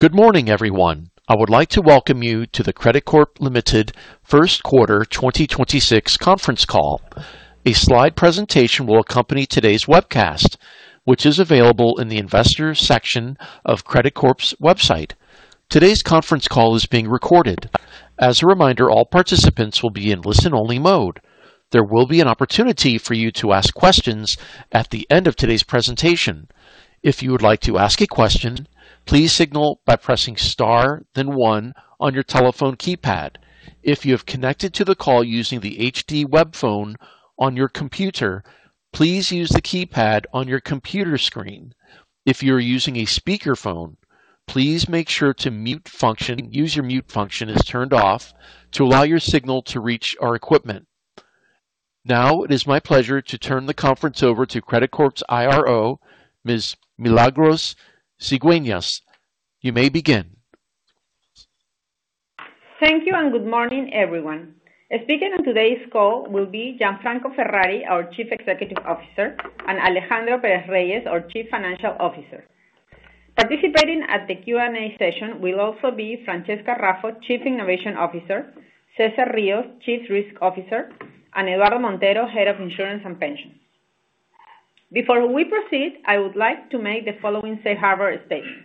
Good morning, everyone. I would like to welcome you to the Credicorp Ltd first quarter 2026 conference call. A slide presentation will accompany today's webcast, which is available in the Investors section of Credicorp's website. Today's conference call is being recorded. As a reminder, all participants will be in listen-only mode. There will be an opportunity for you to ask questions at the end of today's presentation. If you would like to ask a question, please signal by pressing star then one on your telephone keypad. If you have connected to the call using the HD web phone on your computer, please use the keypad on your computer screen. If you are using a speakerphone, use your mute function is turned off to allow your signal to reach our equipment. Now, it is my pleasure to turn the conference over to Credicorp's IRO, Ms. Milagros Cigüeñas. You may begin. Thank you, and good morning, everyone. Speaking on today's call will be Gianfranco Ferrari, our Chief Executive Officer, and Alejandro Perez-Reyes, our Chief Financial Officer. Participating at the Q&A session will also be Francesca Raffo, Chief Innovation Officer, Cesar Rios, Chief Risk Officer, and Eduardo Montero, Head of Insurance and Pension. Before we proceed, I would like to make the following safe harbor statement.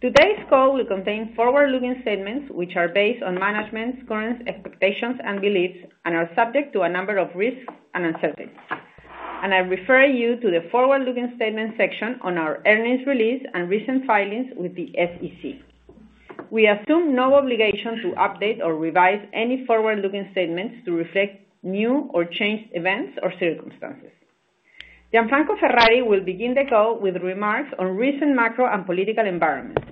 Today's call will contain forward-looking statements, which are based on management's current expectations and beliefs and are subject to a number of risks and uncertainties. I refer you to the forward-looking statements section on our earnings release and recent filings with the SEC. We assume no obligation to update or revise any forward-looking statements to reflect new or changed events or circumstances. Gianfranco Ferrari will begin the call with remarks on recent macro and political environments,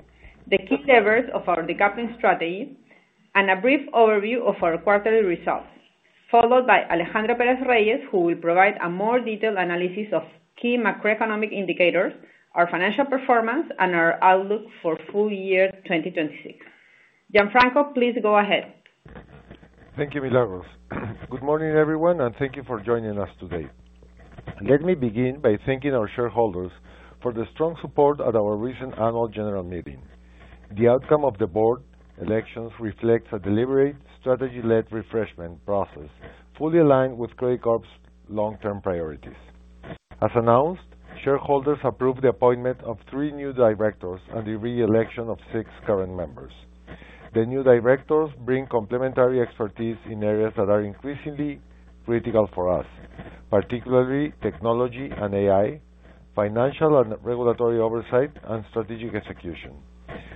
the key levers of our decoupling strategy, and a brief overview of our quarterly results, followed by Alejandro Perez-Reyes, who will provide a more detailed analysis of key macroeconomic indicators, our financial performance, and our outlook for full year 2026. Gianfranco, please go ahead. Thank you, Milagros. Good morning, everyone, and thank you for joining us today. Let me begin by thanking our shareholders for the strong support at our recent annual general meeting. The outcome of the board elections reflects a deliberate, strategy-led refreshment process fully aligned with Credicorp's long-term priorities. As announced, shareholders approved the appointment of three new directors and the re-election of six current members. The new directors bring complementary expertise in areas that are increasingly critical for us, particularly technology and AI, financial and regulatory oversight, and strategic execution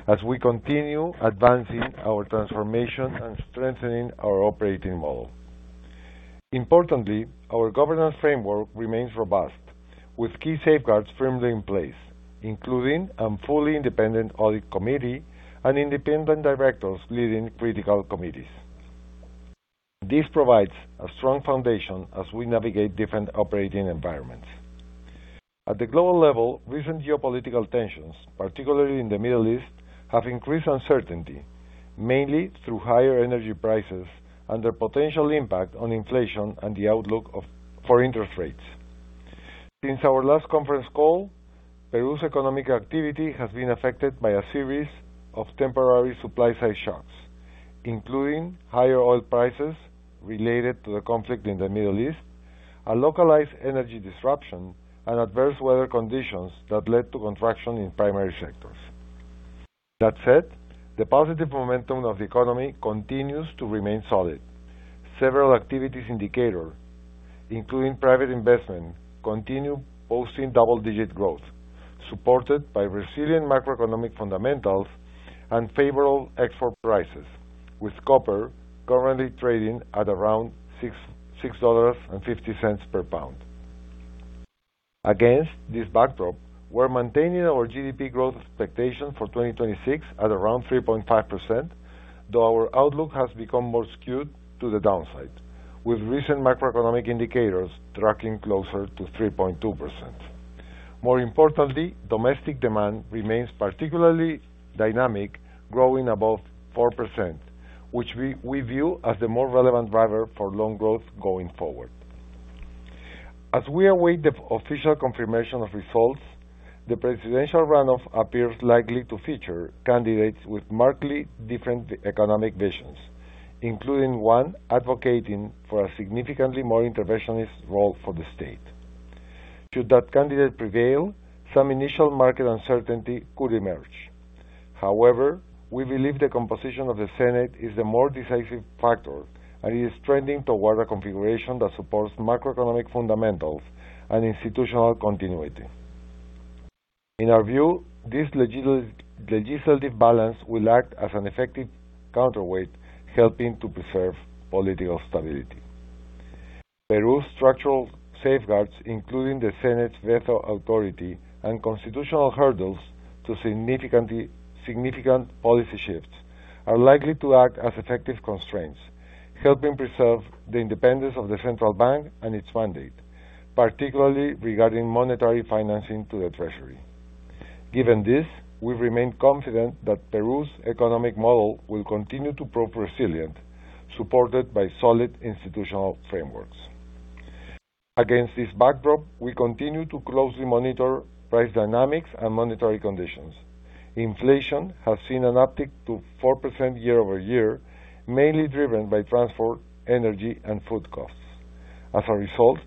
as we continue advancing our transformation and strengthening our operating model. Importantly, our governance framework remains robust with key safeguards firmly in place, including a fully independent audit committee and independent directors leading critical committees. This provides a strong foundation as we navigate different operating environments. At the global level, recent geopolitical tensions, particularly in the Middle East, have increased uncertainty, mainly through higher energy prices and their potential impact on inflation and the outlook for interest rates. Since our last conference call, Peru's economic activity has been affected by a series of temporary supply-side shocks, including higher oil prices related to the conflict in the Middle East, a localized energy disruption, and adverse weather conditions that led to contraction in primary sectors. That said, the positive momentum of the economy continues to remain solid. Several activities indicator, including private investment, continue posting double-digit growth, supported by resilient macroeconomic fundamentals and favorable export prices, with copper currently trading at around $6.50 per pound. Against this backdrop, we're maintaining our GDP growth expectation for 2026 at around 3.5%, though our outlook has become more skewed to the downside, with recent macroeconomic indicators tracking closer to 3.2%. More importantly, domestic demand remains particularly dynamic, growing above 4%, which we view as the more relevant driver for long growth going forward. As we await the official confirmation of results, the presidential runoff appears likely to feature candidates with markedly different economic visions, including one advocating for a significantly more interventionist role for the state. Should that candidate prevail, some initial market uncertainty could emerge. We believe the composition of the Senate is the more decisive factor, and it is trending toward a configuration that supports macroeconomic fundamentals and institutional continuity. In our view, this legislative balance will act as an effective counterweight, helping to preserve political stability. Peru's structural safeguards, including the Senate's veto authority and constitutional hurdles to significant policy shifts, are likely to act as effective constraints, helping preserve the independence of the central bank and its mandate, particularly regarding monetary financing to the treasury. Given this, we remain confident that Peru's economic model will continue to prove resilient, supported by solid institutional frameworks. Against this backdrop, we continue to closely monitor price dynamics and monetary conditions. Inflation has seen an uptick to 4% year-over-year, mainly driven by transport, energy, and food costs. As a result,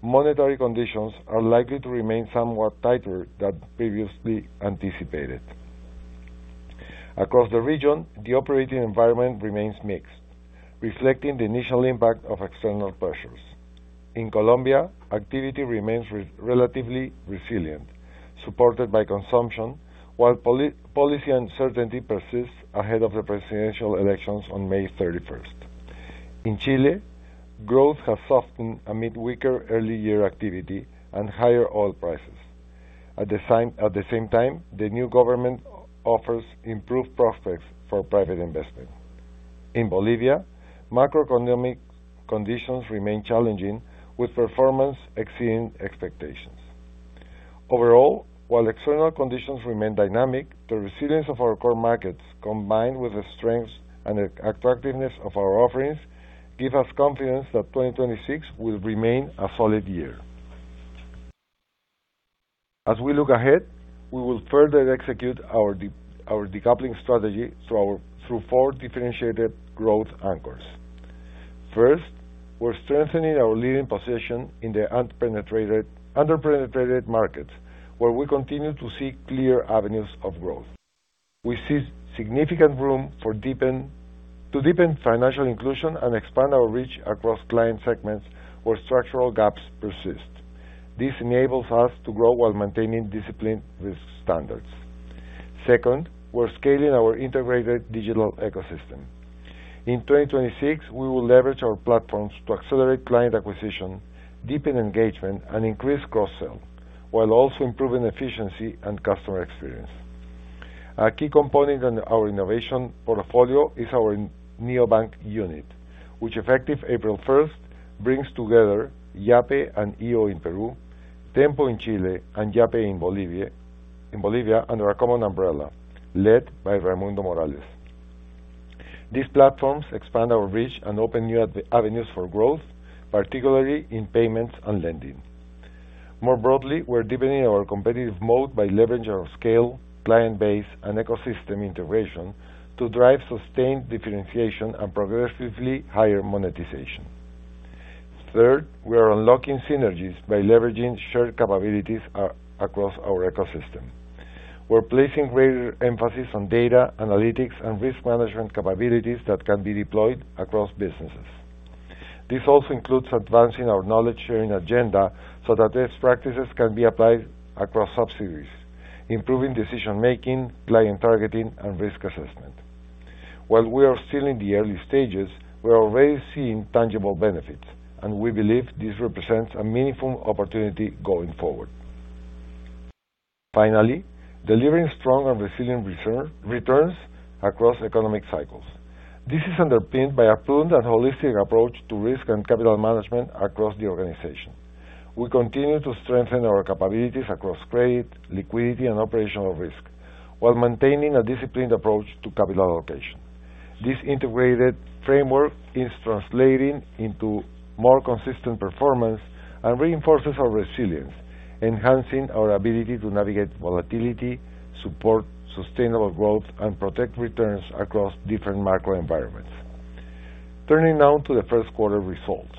monetary conditions are likely to remain somewhat tighter than previously anticipated. Across the region, the operating environment remains mixed, reflecting the initial impact of external pressures. In Colombia, activity remains relatively resilient, supported by consumption, while policy uncertainty persists ahead of the presidential elections on May 31st. In Chile, growth has softened amid weaker early year activity and higher oil prices. At the same time, the new government offers improved prospects for private investment. In Bolivia, macroeconomic conditions remain challenging, with performance exceeding expectations. Overall, while external conditions remain dynamic, the resilience of our core markets, combined with the strengths and attractiveness of our offerings, give us confidence that 2026 will remain a solid year. As we look ahead, we will further execute our decoupling strategy through four differentiated growth anchors. First, we're strengthening our leading position in the under-penetrated markets, where we continue to see clear avenues of growth. We see significant room to deepen financial inclusion and expand our reach across client segments where structural gaps persist. This enables us to grow while maintaining discipline with standards. Second, we're scaling our integrated digital ecosystem. In 2026, we will leverage our platforms to accelerate client acquisition, deepen engagement, and increase cross-sell, while also improving efficiency and customer experience. A key component in our innovation portfolio is our neobank unit, which effective April 1st, brings together Yape and iO in Peru, Tenpo in Chile, and Yape in Bolivia, under a common umbrella, led by Raimundo Morales. These platforms expand our reach and open new avenues for growth, particularly in payments and lending. More broadly, we're deepening our competitive moat by leveraging our scale, client base, and ecosystem integration to drive sustained differentiation and progressively higher monetization. Third, we are unlocking synergies by leveraging shared capabilities across our ecosystem. We're placing greater emphasis on data analytics and risk management capabilities that can be deployed across businesses. This also includes advancing our knowledge-sharing agenda so that these practices can be applied across subsidiaries, improving decision-making, client targeting, and risk assessment. While we are still in the early stages, we are already seeing tangible benefits, and we believe this represents a meaningful opportunity going forward. Finally, delivering strong and resilient reserve returns across economic cycles. This is underpinned by a prudent and holistic approach to risk and capital management across the organization. We continue to strengthen our capabilities across credit, liquidity, and operational risk while maintaining a disciplined approach to capital allocation. This integrated framework is translating into more consistent performance and reinforces our resilience, enhancing our ability to navigate volatility, support sustainable growth, and protect returns across different macro environments. Turning now to the first quarter results.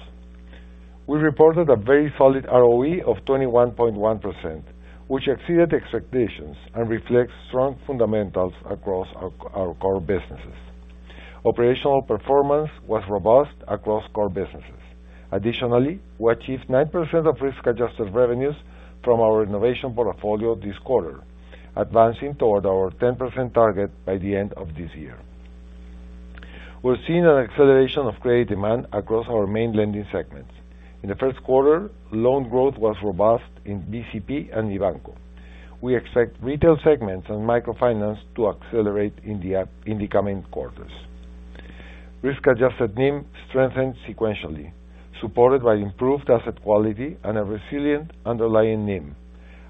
We reported a very solid ROE of 21.1%, which exceeded expectations and reflects strong fundamentals across our core businesses. Operational performance was robust across core businesses. Additionally, we achieved 9% of risk-adjusted revenues from our innovation portfolio this quarter, advancing toward our 10% target by the end of this year. We're seeing an acceleration of credit demand across our main lending segments. In the first quarter, loan growth was robust in BCP and Mibanco. We expect retail segments and microfinance to accelerate in the coming quarters. Risk-adjusted NIM strengthened sequentially, supported by improved asset quality and a resilient underlying NIM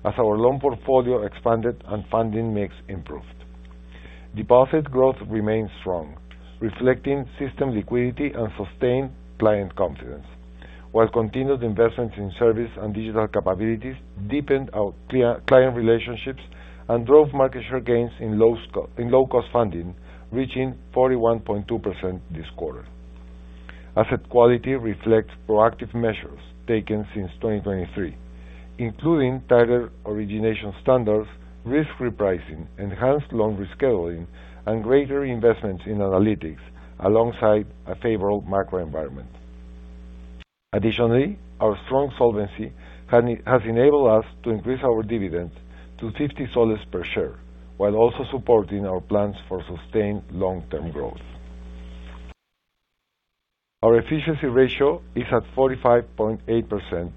as our loan portfolio expanded and funding mix improved. Deposit growth remains strong, reflecting system liquidity and sustained client confidence. While continued investments in service and digital capabilities deepened our client relationships and drove market share gains in low-cost funding, reaching 41.2% this quarter. Asset quality reflects proactive measures taken since 2023, including tighter origination standards, risk repricing, enhanced loan rescheduling, and greater investments in analytics alongside a favorable macro environment. Additionally, our strong solvency has enabled us to increase our dividend to PEN 50 per share, while also supporting our plans for sustained long-term growth. Our efficiency ratio is at 45.8%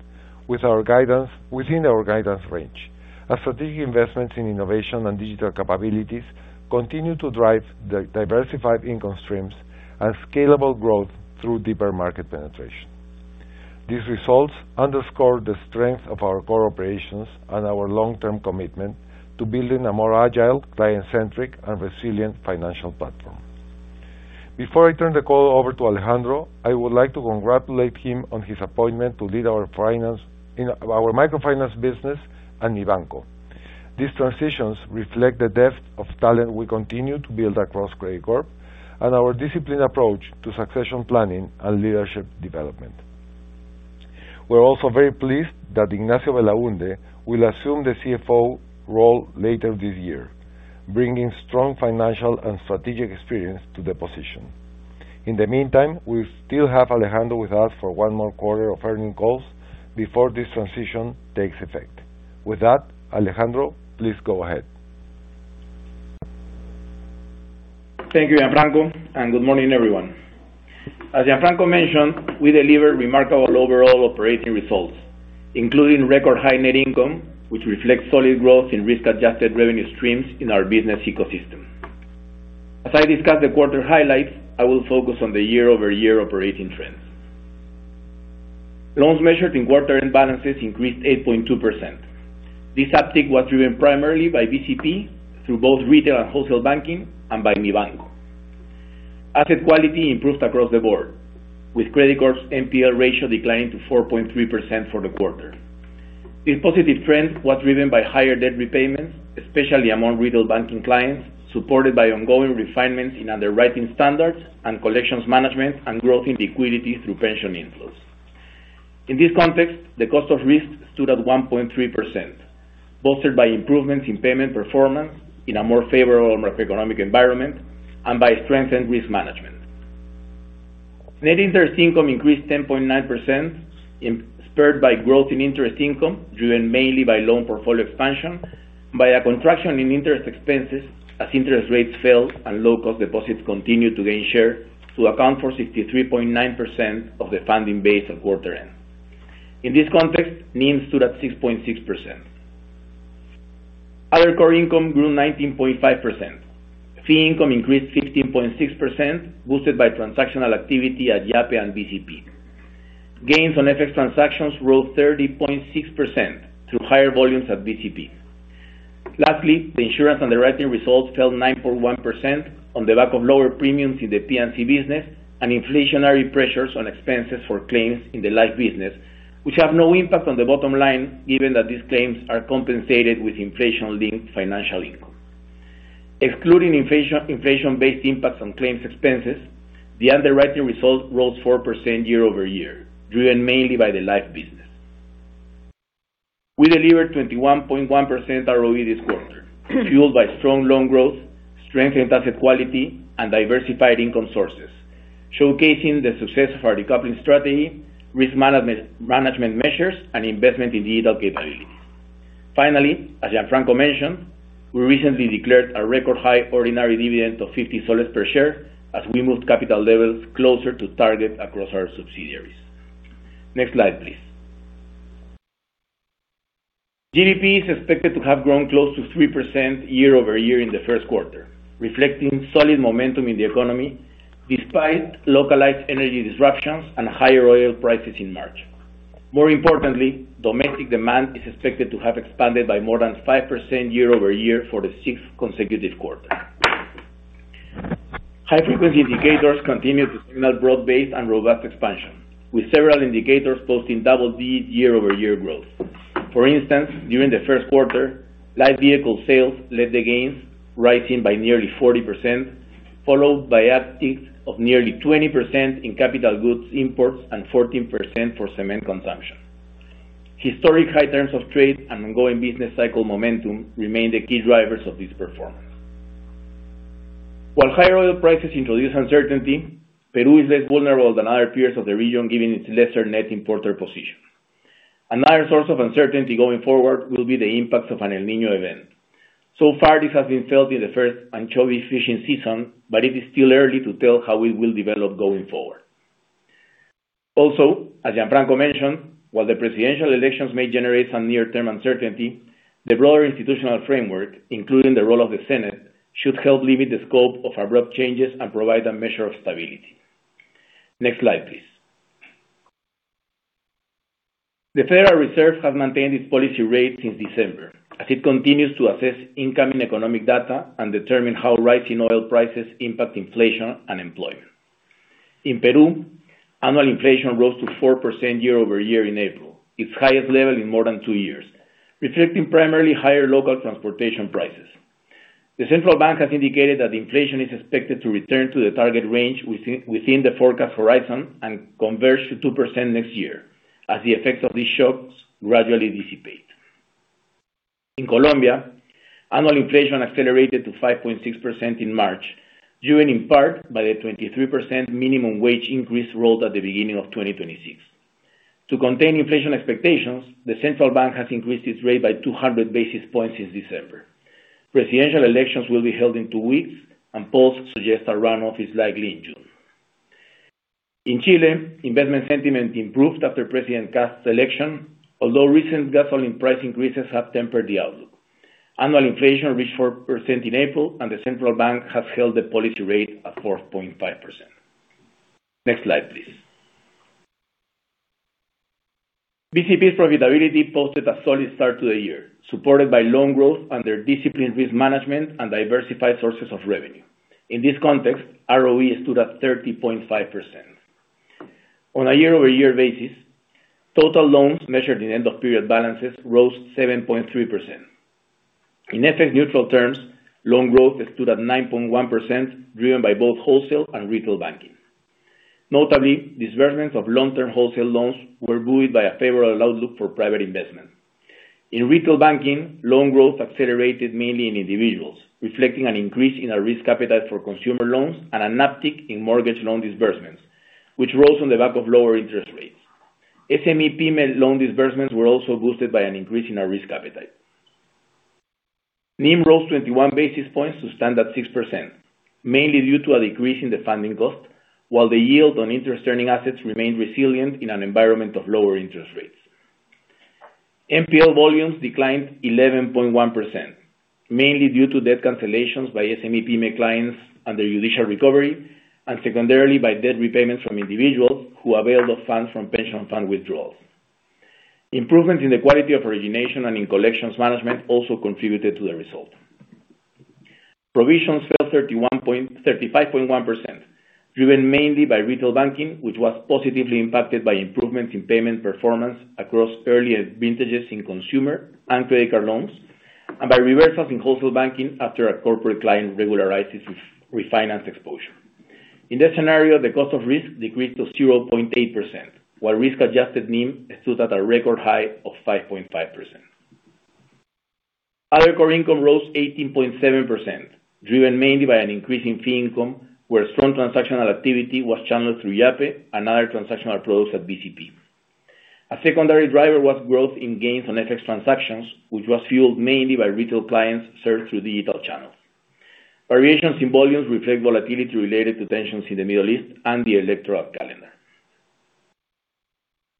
with our guidance, within our guidance range. Our strategic investments in innovation and digital capabilities continue to drive diversified income streams and scalable growth through deeper market penetration. These results underscore the strength of our core operations and our long-term commitment to building a more agile, client-centric, and resilient financial platform. Before I turn the call over to Alejandro, I would like to congratulate him on his appointment to lead our microfinance business and Mibanco. These transitions reflect the depth of talent we continue to build across Credicorp and our disciplined approach to succession planning and leadership development. We're also very pleased that Ignacio Belaunde will assume the CFO role later this year, bringing strong financial and strategic experience to the position. In the meantime, we still have Alejandro with us for one more quarter of earning calls before this transition takes effect. With that, Alejandro, please go ahead. Thank you, Gianfranco, and good morning, everyone. As Gianfranco mentioned, we delivered remarkable overall operating results, including record high net income, which reflects solid growth in risk-adjusted revenue streams in our business ecosystem. As I discuss the quarter highlights, I will focus on the year-over-year operating trends. Loans measured in quarter end balances increased 8.2%. This uptick was driven primarily by BCP through both retail and wholesale banking and by Mibanco. Asset quality improved across the board, with Credicorp's NPL ratio declining to 4.3% for the quarter. This positive trend was driven by higher debt repayments, especially among retail banking clients, supported by ongoing refinements in underwriting standards and collections management and growth in liquidity through pension inflows. In this context, the cost of risk stood at 1.3%, bolstered by improvements in payment performance in a more favorable macroeconomic environment and by strengthened risk management. Net interest income increased 10.9%, spurred by growth in interest income, driven mainly by loan portfolio expansion, by a contraction in interest expenses as interest rates fell and low-cost deposits continued to gain share to account for 63.9% of the funding base at quarter end. In this context, NIM stood at 6.6%. Other core income grew 19.5%. Fee income increased 15.6%, boosted by transactional activity at Yape and BCP. Gains on FX transactions rose 30.6% through higher volumes at BCP. Lastly, the insurance underwriting results fell 9.1% on the back of lower premiums in the P&C business and inflationary pressures on expenses for claims in the life business, which have no impact on the bottom line given that these claims are compensated with inflation-linked financial income. Excluding inflation-based impacts on claims expenses, the underwriting result rose 4% year-over-year, driven mainly by the life business. We delivered 21.1% ROE this quarter, fueled by strong loan growth, strengthened asset quality, and diversified income sources, showcasing the success of our decoupling strategy, risk management measures, and investment in digital capabilities. Finally, as Gianfranco mentioned, we recently declared a record high ordinary dividend of PEN 50 per share as we moved capital levels closer to target across our subsidiaries. Next slide, please. GDP is expected to have grown close to 3% year-over-year in the first quarter, reflecting solid momentum in the economy despite localized energy disruptions and higher oil prices in March. More importantly, domestic demand is expected to have expanded by more than 5% year-over-year for the sixth consecutive quarter. High-frequency indicators continue to signal broad-based and robust expansion, with several indicators posting double-digit year-over-year growth. For instance, during the first quarter, light vehicle sales led the gains, rising by nearly 40%, followed by upticks of nearly 20% in capital goods imports and 14% for cement consumption. Historic high terms of trade and ongoing business cycle momentum remain the key drivers of this performance. While higher oil prices introduce uncertainty, Peru is less vulnerable than other peers of the region given its lesser net importer position. Another source of uncertainty going forward will be the impacts of an El Niño event. So far, this has been felt in the first anchovy fishing season, but it is still early to tell how it will develop going forward. As Gianfranco mentioned, while the presidential elections may generate some near-term uncertainty, the broader institutional framework, including the role of the Senate, should help limit the scope of abrupt changes and provide a measure of stability. Next slide, please. The Federal Reserve has maintained its policy rate since December as it continues to assess incoming economic data and determine how rising oil prices impact inflation and employment. In Peru, annual inflation rose to 4% year-over-year in April, its highest level in more than two years, reflecting primarily higher local transportation prices. The central bank has indicated that inflation is expected to return to the target range within the forecast horizon and converge to 2% next year as the effects of these shocks gradually dissipate. In Colombia, annual inflation accelerated to 5.6% in March, due in part by the 23% minimum wage increase ruled at the beginning of 2026. To contain inflation expectations, the central bank has increased its rate by 200 basis points since December. Presidential elections will be held in two weeks, and polls suggest a runoff is likely in June. In Chile, investment sentiment improved after President Kast's election, although recent gasoline price increases have tempered the outlook. Annual inflation reached 4% in April, and the central bank has held the policy rate at 4.5%. Next slide, please. BCP's profitability posted a solid start to the year, supported by loan growth under disciplined risk management and diversified sources of revenue. In this context, ROE stood at 30.5%. On a year-over-year basis, total loans measured in end of period balances rose 7.3%. In FX neutral terms, loan growth stood at 9.1%, driven by both wholesale and retail banking. Notably, disbursements of long-term wholesale loans were buoyed by a favorable outlook for private investment. In retail banking, loan growth accelerated mainly in individuals, reflecting an increase in our risk appetite for consumer loans and an uptick in mortgage loan disbursements, which rose on the back of lower interest rates. SME-Pyme loan disbursements were also boosted by an increase in our risk appetite. NIM rose 21 basis points to stand at 6%, mainly due to a decrease in the funding cost, while the yield on interest earning assets remained resilient in an environment of lower interest rates. NPL volumes declined 11.1%, mainly due to debt cancellations by SME-Pyme clients under judicial recovery, and secondarily by debt repayments from individuals who availed of funds from pension fund withdrawals. Improvements in the quality of origination and in collections management also contributed to the result. Provisions fell .31, 35.1%, driven mainly by retail banking, which was positively impacted by improvements in payment performance across earlier vintages in consumer and credit card loans, and by reversals in wholesale banking after a corporate client regularized its refinance exposure. In that scenario, the cost of risk decreased to 0.8%, while risk-adjusted NIM stood at a record high of 5.5%. Other core income rose 18.7%, driven mainly by an increase in fee income, where strong transactional activity was channeled through Yape and other transactional products at BCP. A secondary driver was growth in gains on FX transactions, which was fueled mainly by retail clients served through digital channels. Variations in volumes reflect volatility related to tensions in the Middle East and the electoral calendar.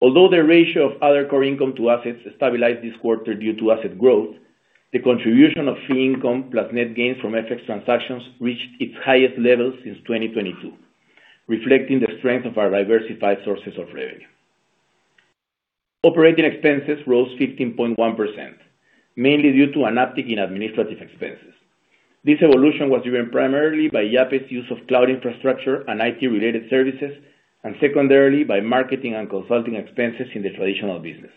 The ratio of other core income to assets stabilized this quarter due to asset growth, the contribution of fee income plus net gains from FX transactions reached its highest level since 2022, reflecting the strength of our diversified sources of revenue. Operating expenses rose 15.1%, mainly due to an uptick in administrative expenses. This evolution was driven primarily by Yape's use of cloud infrastructure and IT-related services, and secondarily by marketing and consulting expenses in the traditional business.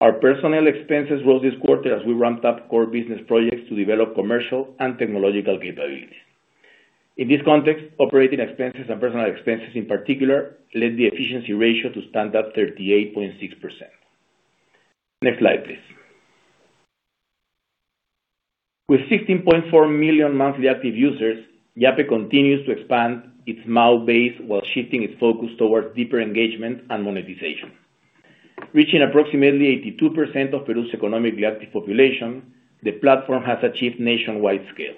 Our personnel expenses rose this quarter as we ramped up core business projects to develop commercial and technological capabilities. In this context, operating expenses and personnel expenses in particular led the efficiency ratio to stand at 38.6%. Next slide, please. With 16.4 million monthly active users, Yape continues to expand its MAU base while shifting its focus towards deeper engagement and monetization. Reaching approximately 82% of Peru's economically active population, the platform has achieved nationwide scale.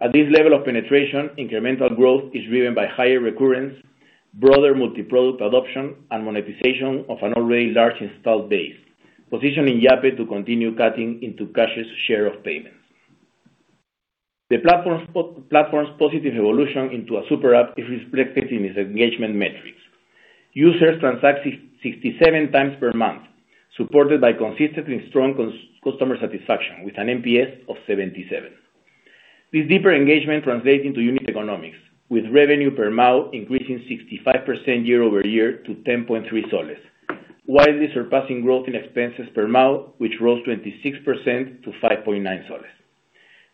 At this level of penetration, incremental growth is driven by higher recurrence, broader multiproduct adoption, and monetization of an already large installed base, positioning Yape to continue cutting into cash's share of payments. The platform's positive evolution into a super app is reflected in its engagement metrics. Users transact 67x per month, supported by consistently strong customer satisfaction with an NPS of 77. This deeper engagement translates into unit economics, with revenue per MAU increasing 65% year-over-year to PEN 10.3, widely surpassing growth in expenses per MAU, which rose 26% to PEN 5.9.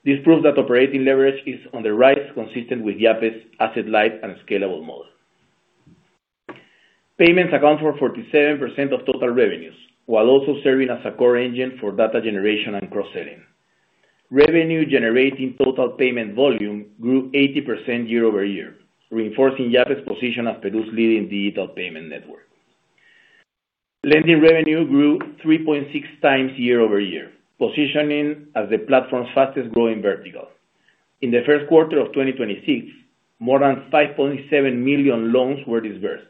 This proves that operating leverage is on the rise, consistent with Yape's asset-light and scalable model. Payments account for 47% of total revenues, while also serving as a core engine for data generation and cross-selling. Revenue generating total payment volume grew 80% year-over-year, reinforcing Yape's position as Peru's leading digital payment network. Lending revenue grew 3.6x year-over-year, positioning as the platform's fastest-growing vertical. In the first quarter of 2026, more than 5.7 million loans were disbursed,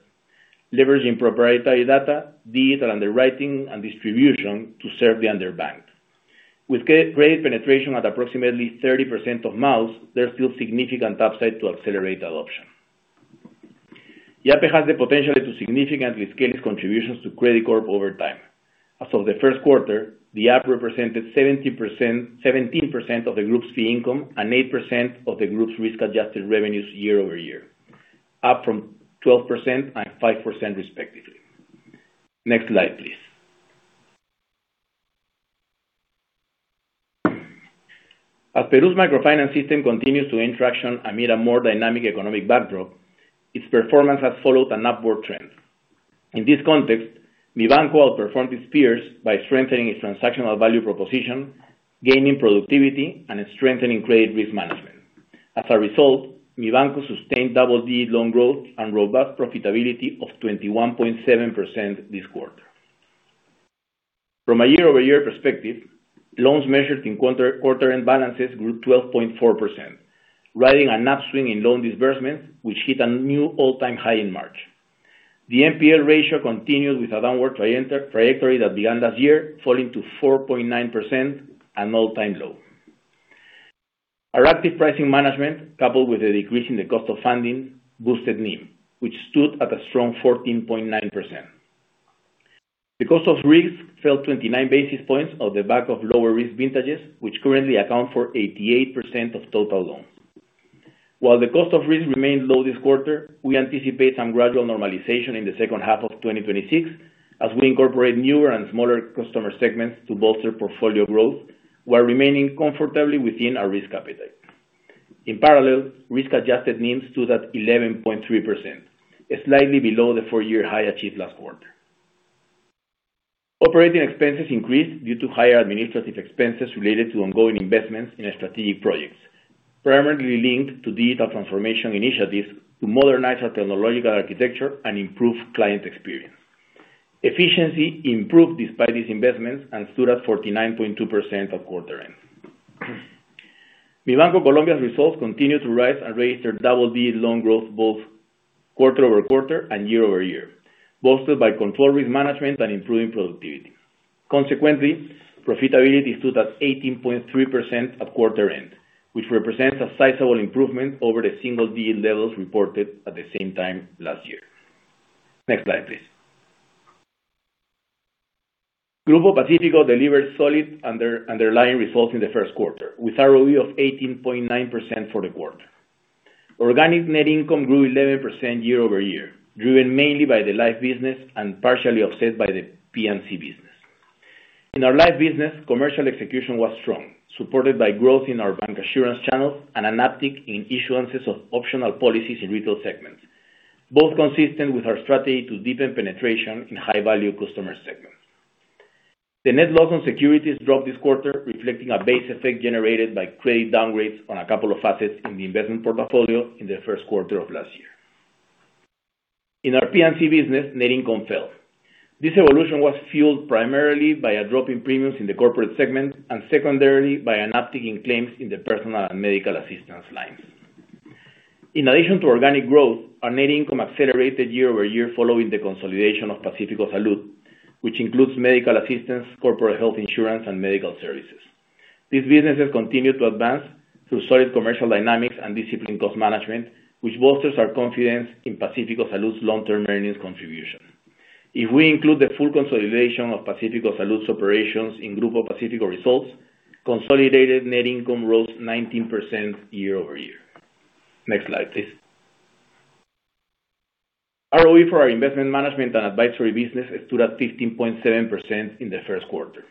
leveraging proprietary data, digital underwriting, and distribution to serve the underbanked. With credit penetration at approximately 30% of MAUs, there's still significant upside to accelerate adoption. Yape has the potential to significantly scale its contributions to Credicorp over time. As of the first quarter, the app represented 17% of the group's fee income, and 8% of the group's risk-adjusted revenues year-over-year, up from 12% and 5% respectively. Next slide, please. As Peru's microfinance system continues to gain traction amid a more dynamic economic backdrop, its performance has followed an upward trend. In this context, Mibanco outperformed its peers by strengthening its transactional value proposition, gaining productivity, and strengthening credit risk management. As a result, Mibanco sustained double-digit loan growth and robust profitability of 21.7% this quarter. From a year-over-year perspective, loans measured in quarter-end balances grew 12.4%, riding an upswing in loan disbursements, which hit a new all-time high in March. The NPL ratio continued with a downward trajectory that began last year, falling to 4.9%, an all-time low. Our active pricing management, coupled with a decrease in the cost of funding, boosted NIM, which stood at a strong 14.9%. The cost of risk fell 29 basis points on the back of lower risk vintages, which currently account for 88% of total loans. While the cost of risk remains low this quarter, we anticipate some gradual normalization in the second half of 2026 as we incorporate newer and smaller customer segments to bolster portfolio growth while remaining comfortably within our risk appetite. In parallel, risk-adjusted NIM stood at 11.3%, slightly below the four-year high achieved last quarter. Operating expenses increased due to higher administrative expenses related to ongoing investments in strategic projects, primarily linked to digital transformation initiatives to modernize our technological architecture and improve client experience. Efficiency improved despite these investments and stood at 49.2% at quarter end. Mibanco Colombia's results continued to rise and registered double-digit loan growth, both quarter-over-quarter and year-over-year, bolstered by controlled risk management and improving productivity. Consequently, profitability stood at 18.3% at quarter end, which represents a sizable improvement over the single-digit levels reported at the same time last year. Next slide, please. Grupo Pacífico delivered solid underlying results in the first quarter, with ROE of 18.9% for the quarter. Organic net income grew 11% year-over-year, driven mainly by the life business and partially offset by the P&C business. In our life business, commercial execution was strong, supported by growth in our bancassurance channels and an uptick in issuances of optional policies in retail segments, both consistent with our strategy to deepen penetration in high-value customer segments. The net loss on securities dropped this quarter, reflecting a base effect generated by credit downgrades on a couple of assets in the investment portfolio in the first quarter of last year. In our P&C business, net income fell. This evolution was fueled primarily by a drop in premiums in the corporate segment and secondarily by an uptick in claims in the personal and medical assistance lines. In addition to organic growth, our net income accelerated year-over-year following the consolidation of Pacífico Salud, which includes medical assistance, corporate health insurance, and medical services. These businesses continue to advance through solid commercial dynamics and disciplined cost management, which bolsters our confidence in Pacífico Salud's long-term earnings contribution. If we include the full consolidation of Pacífico Salud's operations in Grupo Pacífico results, consolidated net income rose 19% year-over-year. Next slide, please. ROE for our investment management and advisory business stood at 15.7% in the first quarter.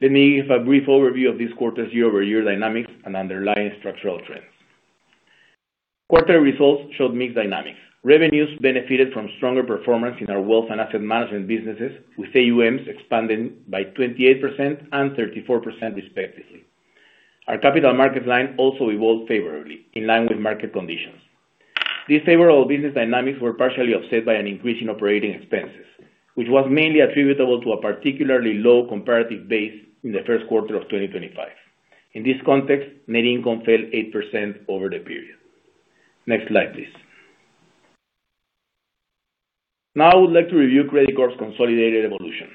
Let me give a brief overview of this quarter's year-over-year dynamics and underlying structural trends. Quarterly results showed mixed dynamics. Revenues benefited from stronger performance in our wealth and asset management businesses, with AUMs expanding by 28% and 34% respectively. Our capital market line also evolved favorably in line with market conditions. These favorable business dynamics were partially offset by an increase in operating expenses, which was mainly attributable to a particularly low comparative base in the first quarter of 2025. In this context, net income fell 8% over the period. Next slide, please. Now, I would like to review Credicorp's consolidated evolution.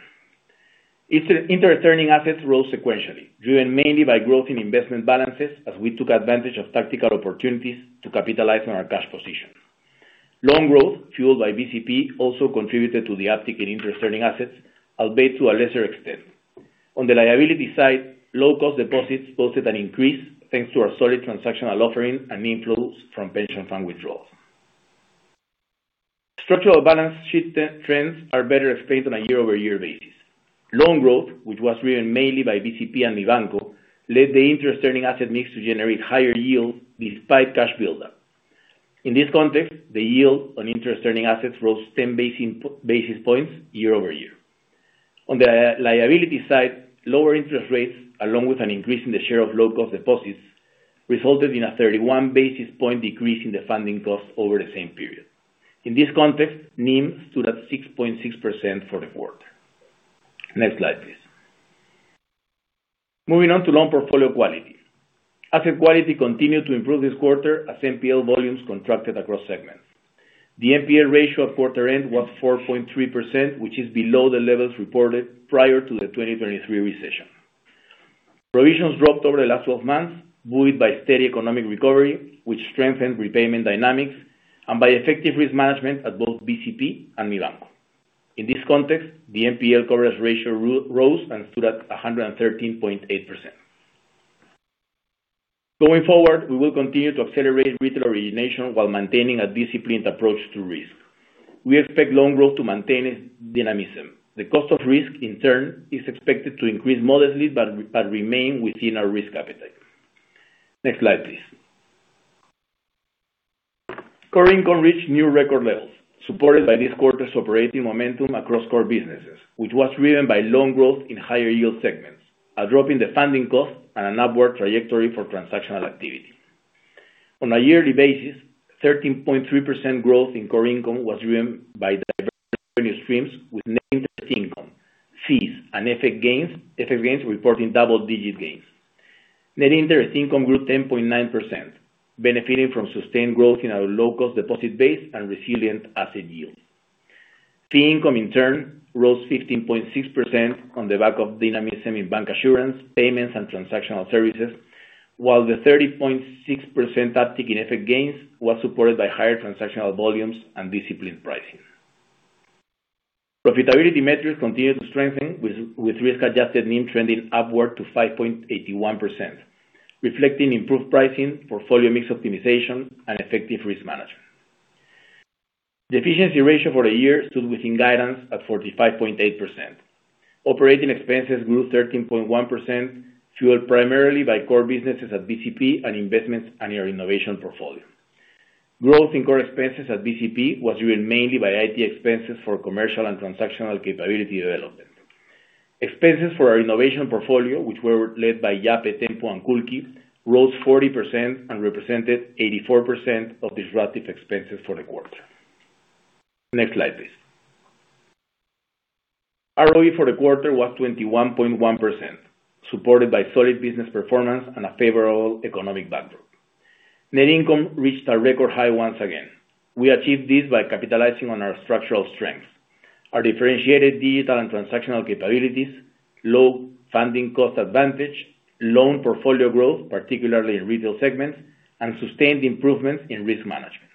Its interest-earning assets rose sequentially, driven mainly by growth in investment balances as we took advantage of tactical opportunities to capitalize on our cash position. Loan growth, fueled by BCP, also contributed to the uptick in interest-earning assets, albeit to a lesser extent. On the liability side, low-cost deposits posted an increase thanks to our solid transactional offering and inflows from pension fund withdrawals. Structural balance sheet trends are better explained on a year-over-year basis. Loan growth, which was driven mainly by BCP and Mibanco, led the interest-earning asset mix to generate higher yield despite cash buildup. In this context, the yield on interest-earning assets rose 10 basis points year-over-year. On the liability side, lower interest rates, along with an increase in the share of low-cost deposits, resulted in a 31 basis point decrease in the funding cost over the same period. In this context, NIM stood at 6.6% for the quarter. Next slide, please. Moving on to loan portfolio quality. Asset quality continued to improve this quarter as NPL volumes contracted across segments. The NPL ratio at quarter end was 4.3%, which is below the levels reported prior to the 2023 recession. Provisions dropped over the last 12 months, buoyed by steady economic recovery, which strengthened repayment dynamics, and by effective risk management at both BCP and Mibanco. In this context, the NPL coverage ratio rose and stood at 113.8%. Going forward, we will continue to accelerate retail origination while maintaining a disciplined approach to risk. We expect loan growth to maintain its dynamism. The cost of risk, in turn, is expected to increase modestly but remain within our risk appetite. Next slide, please. Core income reached new record levels, supported by this quarter's operating momentum across core businesses, which was driven by loan growth in higher yield segments, a drop in the funding cost, and an upward trajectory for transactional activity. On a yearly basis, 13.3% growth in core income was driven by diverse revenue streams with net interest income, fees, and FX gains reporting double-digit gains. Net interest income grew 10.9%, benefiting from sustained growth in our low-cost deposit base and resilient asset yields. Fee income in turn rose 15.6% on the back of dynamic bancassurance, payments, and transactional services. While the 30.6% uptick in FX gains was supported by higher transactional volumes and disciplined pricing. Profitability metrics continued to strengthen with risk-adjusted NIM trending upward to 5.81%, reflecting improved pricing, portfolio mix optimization, and effective risk management. The efficiency ratio for the year stood within guidance at 45.8%. Operating expenses grew 13.1%, fueled primarily by core businesses at BCP and investments in our innovation portfolio. Growth in core expenses at BCP was driven mainly by IT expenses for commercial and transactional capability development. Expenses for our innovation portfolio, which were led by Yape, Tenpo, and Culqi, rose 40% and represented 84% of disruptive expenses for the quarter. Next slide, please. ROE for the quarter was 21.1%, supported by solid business performance and a favorable economic backdrop. Net income reached a record high once again. We achieved this by capitalizing on our structural strength, our differentiated digital and transactional capabilities, low funding cost advantage, loan portfolio growth, particularly in retail segments, and sustained improvements in risk management.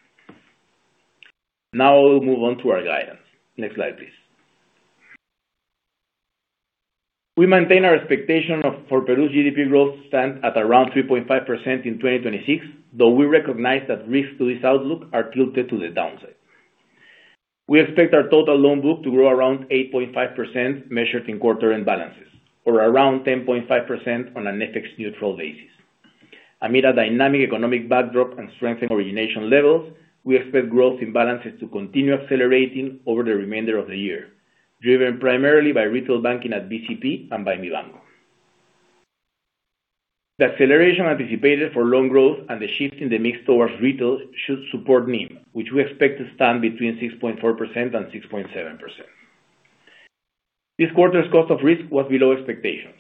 We'll move on to our guidance. Next slide, please. We maintain our expectation of, for Peru's GDP growth stand at around 3.5% in 2026, though we recognize that risks to this outlook are tilted to the downside. We expect our total loan book to grow around 8.5% measured in quarter-end balances or around 10.5% on an FX neutral basis. Amid a dynamic economic backdrop and strengthened origination levels, we expect growth in balances to continue accelerating over the remainder of the year, driven primarily by retail banking at BCP and by Mibanco. The acceleration anticipated for loan growth and the shift in the mix towards retail should support NIM, which we expect to stand between 6.4% and 6.7%. This quarter's cost of risk was below expectations.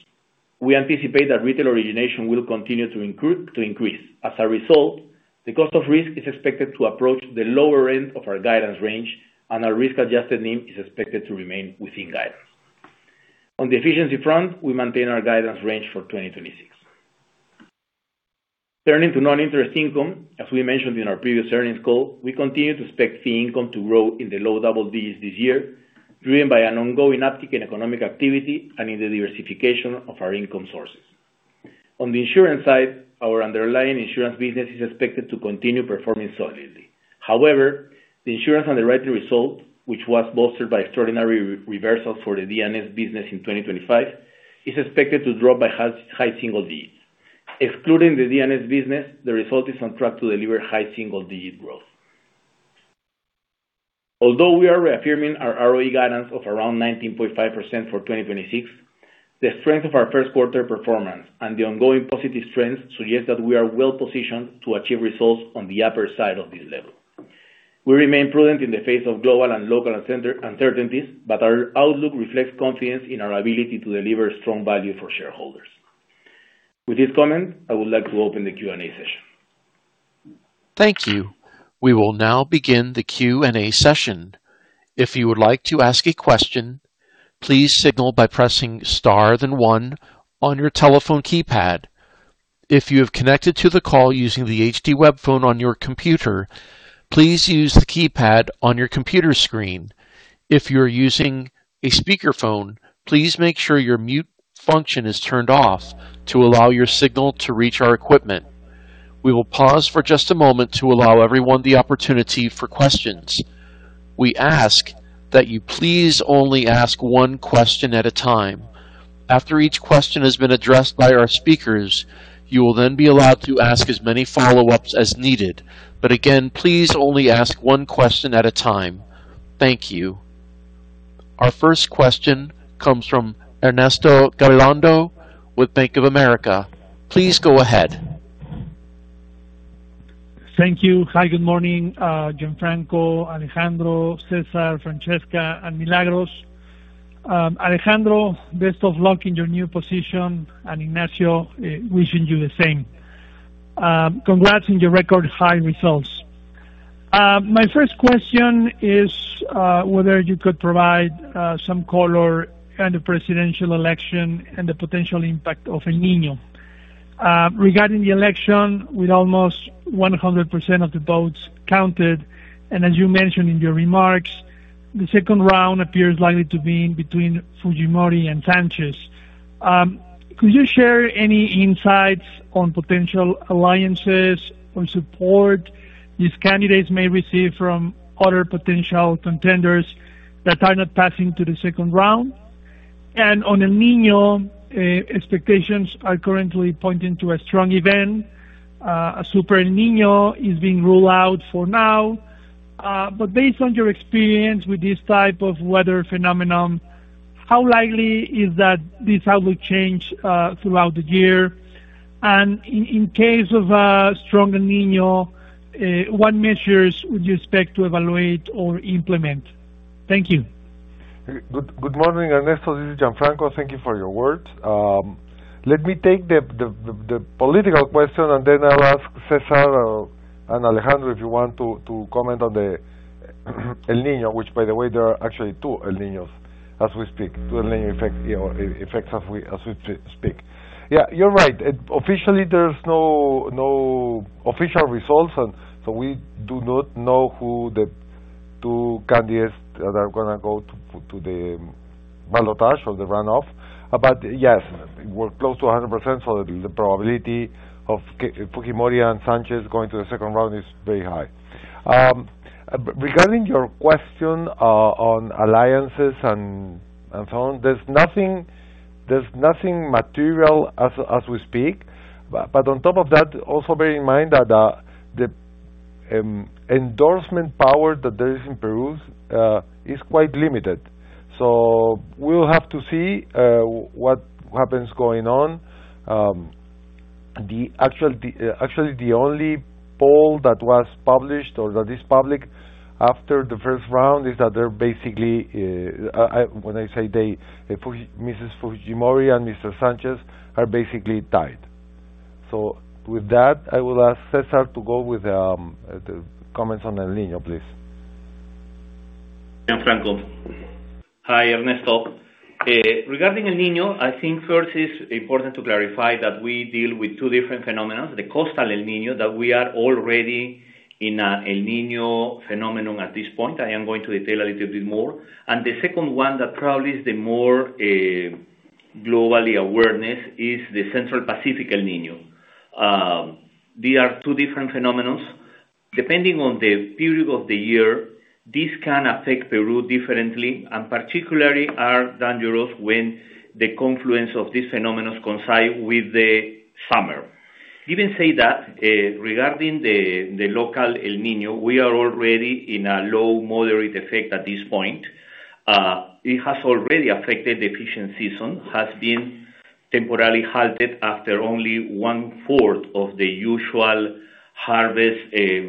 We anticipate that retail origination will continue to increase. As a result, the cost of risk is expected to approach the lower end of our guidance range, and our risk-adjusted NIM is expected to remain within guidance. On the efficiency front, we maintain our guidance range for 2026. Turning to non-interest income, as we mentioned in our previous earnings call, we continue to expect fee income to grow in the low double digits this year, driven by an ongoing uptick in economic activity and in the diversification of our income sources. On the insurance side, our underlying insurance business is expected to continue performing solidly. However, the insurance underwriting result, which was bolstered by extraordinary re-reversals for the DNS business in 2025, is expected to drop by high single digits. Excluding the DNS business, the result is on track to deliver high single-digit growth. Although we are reaffirming our ROE guidance of around 19.5% for 2026, the strength of our 1st quarter performance and the ongoing positive trends suggest that we are well-positioned to achieve results on the upper side of this level. We remain prudent in the face of global and local uncertainties, but our outlook reflects confidence in our ability to deliver strong value for shareholders. With this comment, I would like to open the Q&A session. Thank you. We will now begin the Q&A session. If you would like to ask a question, please signal by pressing star then one on your telephone keypad. If you're connected to the call using the HD webphone on your computer, please use the keypad on your computer screen. If you're using a speakerphone, please make sure your mute function is turned off to allow your signal to reach our equipment. We will pause for just a moment to allow everyone the opportunity for questions. We ask that you please only ask one question at a time. After each question has been addressed by our speakers, you will then be allowed to ask as many follow-ups as needed, but again, please only ask one question at a time. Thank you. Our first question comes from Ernesto Gabilondo with Bank of America. Please go ahead. Thank you. Hi, good morning, Gianfranco, Alejandro, Cesar, Francesca, and Milagros. Alejandro, best of luck in your new position, and Ignacio, wishing you the same. Congrats on your record high results. My first question is whether you could provide some color on the presidential election and the potential impact of El Niño. Regarding the election, with almost 100% of the votes counted, and as you mentioned in your remarks, the second round appears likely to be between Fujimori and Sánchez. Could you share any insights on potential alliances or support these candidates may receive from other potential contenders that are not passing to the second round? On El Niño, expectations are currently pointing to a strong event. A super El Niño is being ruled out for now. Based on your experience with this type of weather phenomenon, how likely is that this outlook change throughout the year? In case of a strong El Niño, what measures would you expect to evaluate or implement? Thank you. Good morning, Ernesto. This is Gianfranco. Thank you for your words. Let me take the political question, and then I'll ask Cesar or Alejandro if you want to comment on the El Niño, which by the way, there are actually two El Niños as we speak. Two El Niño effects, you know, as we speak. Yeah, you're right. Officially, there's no official results so we do not know who the two candidates that are gonna go to the ballotage or the runoff. Yes, we're close to 100%, the probability of Fujimori and Sánchez going to the second round is very high. Regarding your question, on alliances and so on, there's nothing material as we speak. On top of that, also bear in mind that the endorsement power that there is in Peru is quite limited. We'll have to see what happens going on. Actually the only poll that was published or that is public after the first round is that they're basically, when I say they, Mrs. Fujimori and Mr. Sánchez are basically tied. With that, I will ask Cesar to go with the comments on El Niño, please. Gianfranco. Hi, Ernesto. Regarding El Niño, I think first, it's important to clarify that we deal with two different phenomenons. The El Niño coastal, that we are already in a El Niño phenomenon at this point. I am going to detail a little bit more. The second one that probably is the more global awareness is the Central Pacific El Niño. They are two different phenomenons. Depending on the period of the year, these can affect Peru differently, and particularly are dangerous when the confluence of these phenomenons coincide with the summer. Given that, regarding the local El Niño, we are already in a low-moderate effect at this point. It has already affected the fishing season, has been temporarily halted after only 1/4 of the usual harvest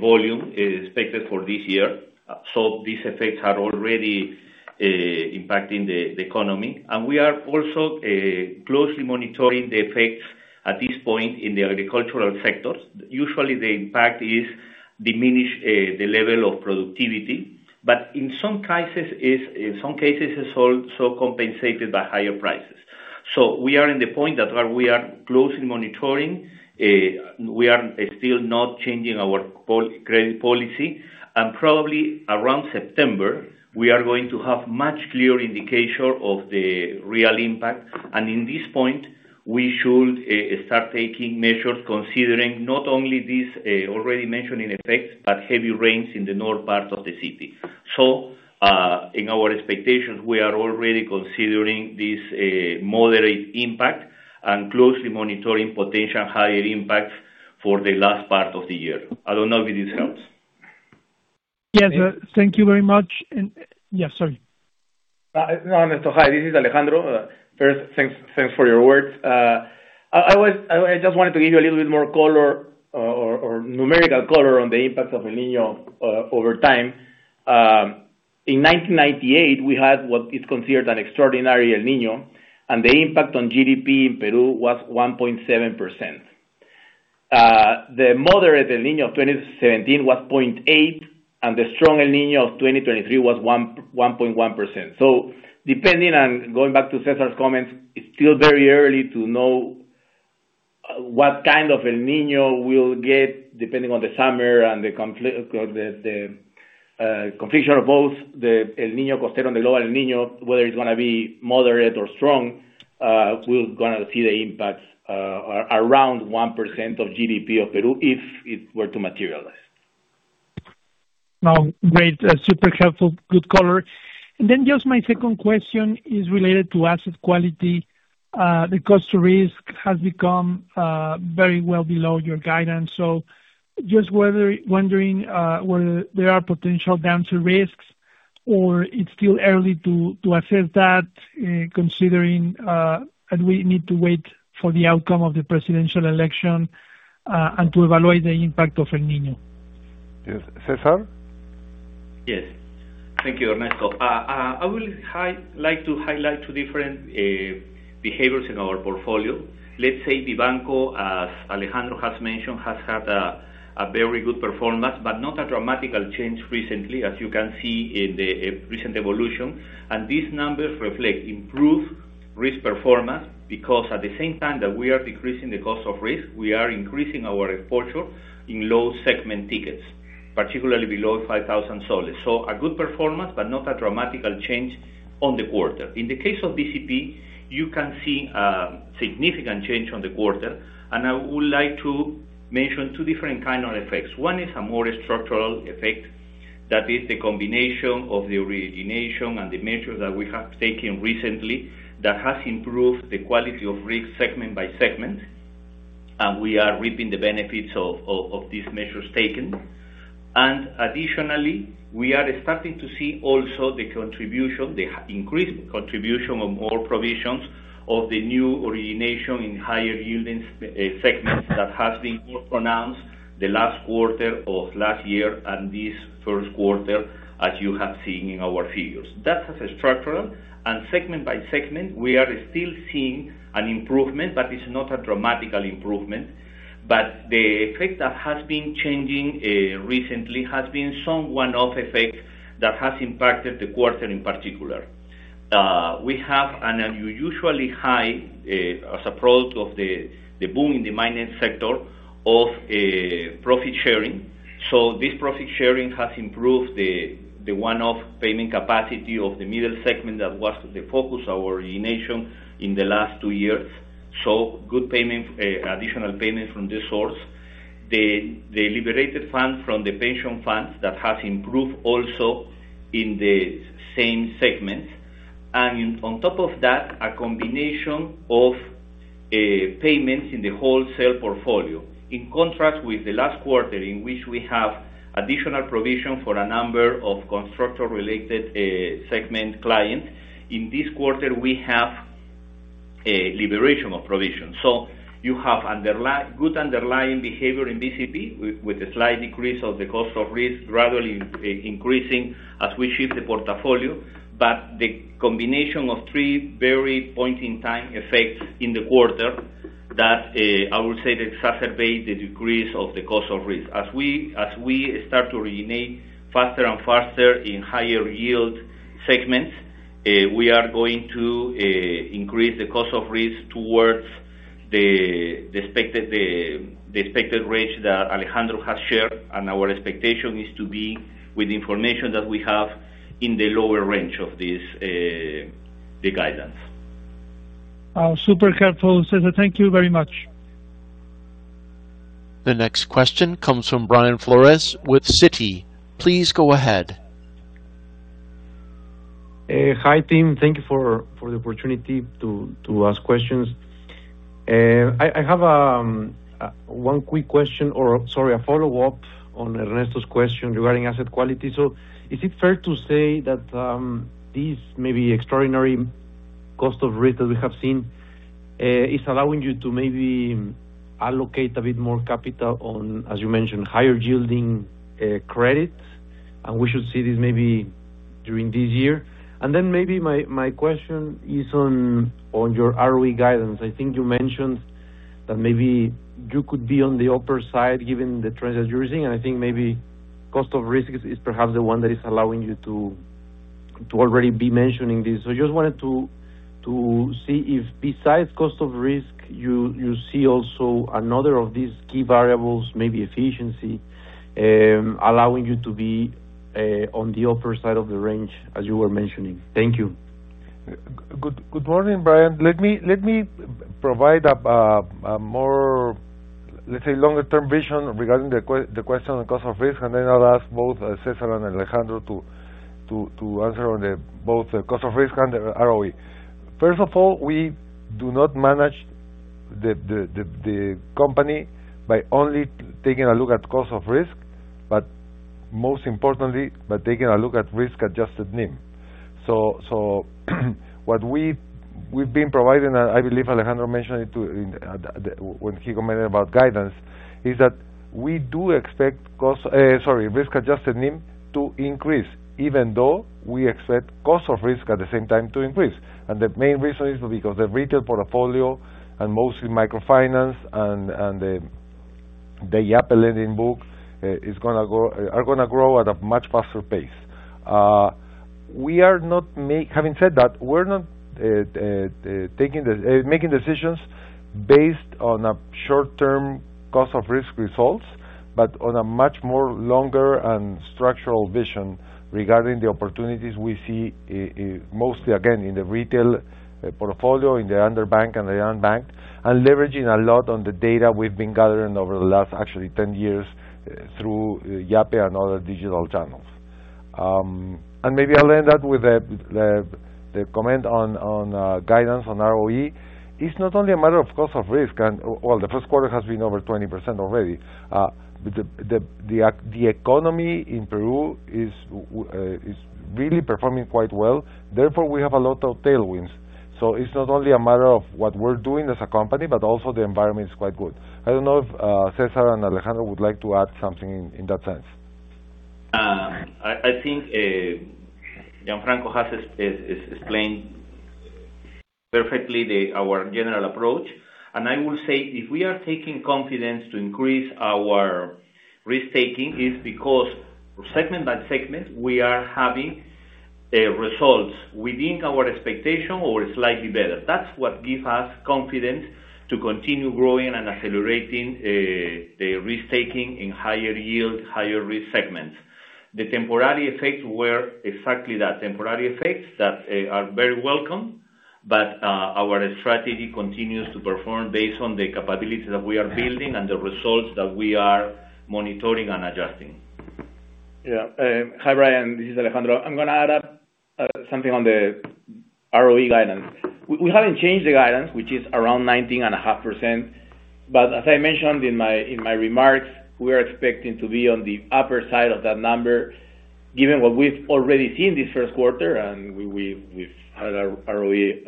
volume is expected for this year. These effects are already impacting the economy. We are also closely monitoring the effects at this point in the agricultural sectors. Usually the impact is diminished the level of productivity, but in some cases is also compensated by higher prices. We are in the point that where we are closely monitoring, we are still not changing our credit policy. Probably around September, we are going to have much clear indication of the real impact. In this point, we should start taking measures considering not only these already mentioned in effect, but heavy rains in the north part of the city. In our expectations, we are already considering this moderate impact and closely monitoring potential higher impact for the last part of the year. I don't know if this helps. Yes. Thank you very much. Yeah, sorry. No, Ernesto. Hi, this is Alejandro. first, thanks for your words. I just wanted to give you a little bit more color or, or numerical color on the impact of El Niño over time. In 1998, we had what is considered an extraordinary El Niño. The impact on GDP in Peru was 1.7%. The moderate El Niño of 2017 was 0.8%, and the strong El Niño of 2023 was 1.1%. Depending on, going back to Cesar's comments, it's still very early to know what kind of El Niño we'll get, depending on the summer and the configuration of both the El Niño coastal and the lower El Niño, whether it's gonna be moderate or strong, we're gonna see the impact around 1% of GDP of Peru if it were to materialize. No, great. Super helpful. Good color. Just my second question is related to asset quality. The cost of risk has become very well below your guidance. Just wondering whether there are potential downside risks or it is still early to assess that, considering, and we need to wait for the outcome of the presidential election, and to evaluate the impact of El Niño. Yes. Cesar? Yes. Thank you, Ernesto. I would like to highlight two different behaviors in our portfolio. Let's say Mibanco, as Alejandro has mentioned, has had a very good performance, but not a dramatical change recently, as you can see in the recent evolution. These numbers reflect improved risk performance because at the same time that we are decreasing the cost of risk, we are increasing our exposure in low segment tickets, particularly below PEN 5,000. A good performance, but not a dramatical change on the quarter. In the case of BCP, you can see significant change on the quarter, and I would like to mention two different kind of effects. One is a more structural effect. That is the combination of the origination and the measures that we have taken recently that has improved the quality of risk segment by segment, and we are reaping the benefits of these measures taken. Additionally, we are starting to see also the contribution, increased contribution of more provisions of the new origination in higher yielding segments that has been more pronounced. The last quarter of last year and this first quarter, as you have seen in our figures. That's structural. Segment by segment, we are still seeing an improvement, but it's not a dramatical improvement. The effect that has been changing recently has been some one-off effect that has impacted the quarter in particular. We have an unusually high, as a product of the boom in the mining sector of profit sharing. This profit sharing has improved the one-off payment capacity of the middle segment that was the focus of our origination in the last two years. Good payment, additional payment from this source. The liberated fund from the pension fund that has improved also in the same segment. On top of that, a combination of payments in the wholesale portfolio. In contrast with the last quarter, in which we have additional provision for a number of constructor-related segment client, in this quarter, we have a liberation of provision. You have underly-good underlying behavior in BCP with a slight decrease of the cost of risk, gradually increasing as we shift the portfolio. The combination of three very point-in-time effects in the quarter that I would say that exacerbate the decrease of the cost of risk. As we start to originate faster and faster in higher yield segments, we are going to increase the cost of risk towards the expected range that Alejandro has shared, and our expectation is to be with information that we have in the lower range of this guidance. Super helpful, Cesar. Thank you very much. The next question comes from Brian Flores with Citi. Please go ahead. Hi, team. Thank you for the opportunity to ask questions. I have one quick question or, sorry, a follow-up on Ernesto's question regarding asset quality. Is it fair to say that this maybe extraordinary cost of risk that we have seen is allowing you to maybe allocate a bit more capital on, as you mentioned, higher yielding credits? We should see this maybe during this year. Maybe my question is on your ROE guidance. I think you mentioned that maybe you could be on the upper side given the trends that you're using, and I think maybe cost of risk is perhaps the one that is allowing you to already be mentioning this. I just wanted to see if besides cost of risk, you see also another of these key variables, maybe efficiency, allowing you to be on the upper side of the range as you were mentioning. Thank you. Good morning, Brian. Let me provide a more, let's say, longer term vision regarding the question on cost of risk, and then I'll ask both Cesar and Alejandro to answer on the both the cost of risk and the ROE. First of all, we do not manage the company by only taking a look at cost of risk, but most importantly, by taking a look at risk-adjusted NIM. What we've been providing, and I believe Alejandro mentioned it too in when he commented about guidance, is that we do expect cost, sorry, risk-adjusted NIM to increase, even though we expect cost of risk at the same time to increase. The main reason is because the retail portfolio and mostly microfinance and the Yape lending book are gonna grow at a much faster pace. Having said that, we're not taking making decisions based on a short-term cost of risk results, but on a much more longer and structural vision regarding the opportunities we see mostly again, in the retail portfolio, in the underbank and the unbank, and leveraging a lot on the data we've been gathering over the last actually 10 years through Yape and other digital channels. Maybe I'll end that with the comment on guidance on ROE. It's not only a matter of cost of risk. Well, the first quarter has been over 20% already. The economy in Peru is really performing quite well, therefore we have a lot of tailwinds. It's not only a matter of what we're doing as a company, but also the environment is quite good. I don't know if Cesar and Alejandro would like to add something in that sense. I think Gianfranco has explained perfectly our general approach. I will say, if we are taking confidence to increase our risk-taking, it's because segment by segment, we are having results within our expectation or slightly better. That's what give us confidence to continue growing and accelerating risk-taking in higher yield, higher risk segments. The temporary effects were exactly that, temporary effects that are very welcome, but our strategy continues to perform based on the capability that we are building and the results that we are monitoring and adjusting. Hi, Brian. This is Alejandro. I'm gonna add up something on the ROE guidance. We haven't changed the guidance, which is around 19.5%, but as I mentioned in my remarks, we are expecting to be on the upper side of that number. Given what we've already seen this first quarter, and we've had our ROE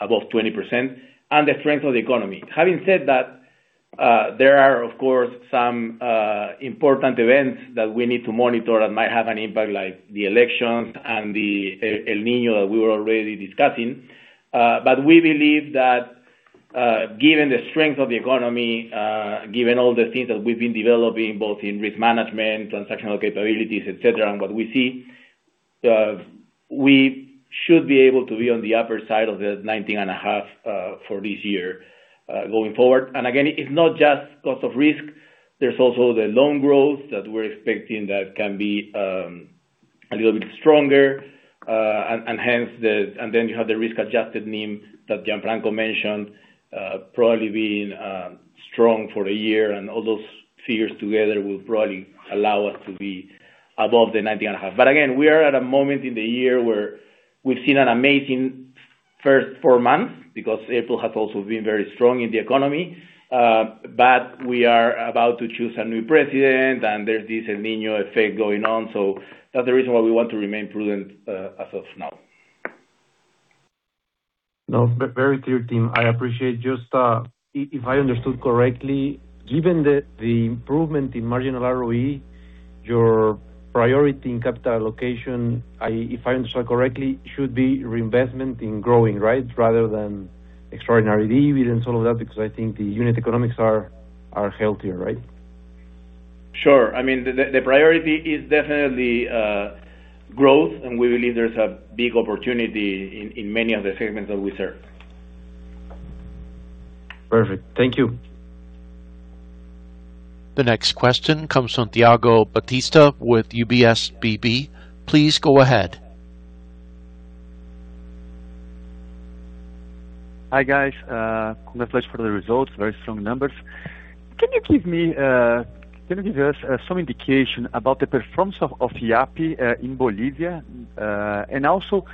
above 20% and the strength of the economy. Having said that, there are, of course, some important events that we need to monitor that might have an impact, like the elections and the El Niño that we were already discussing. We believe that, given the strength of the economy, given all the things that we've been developing, both in risk management, transactional capabilities, et cetera, and what we see, we should be able to be on the upper side of the 19.5% for this year, going forward. Again, it's not just cost of risk, there's also the loan growth that we're expecting that can be a little bit stronger. You have the risk-adjusted NIM that Gianfranco mentioned, probably being strong for a year. All those figures together will probably allow us to be above the 19.5%. Again, we are at a moment in the year where we've seen an amazing first four months, because April has also been very strong in the economy. We are about to choose a new president, and there's this El Niño effect going on. That's the reason why we want to remain prudent as of now. Very clear, team. I appreciate. If I understood correctly, given the improvement in marginal ROE, your priority in capital allocation, if I understood correctly, should be reinvestment in growing, right? Rather than extraordinary dividends and all of that, because I think the unit economics are healthier, right? Sure. I mean, the priority is definitely growth. We believe there's a big opportunity in many of the segments that we serve. Perfect. Thank you. The next question comes Santiago Batista with UBS BB. Please go ahead. Hi, guys. Congratulations for the results. Very strong numbers. Can you give us some indication about the performance of Yape in Bolivia? And also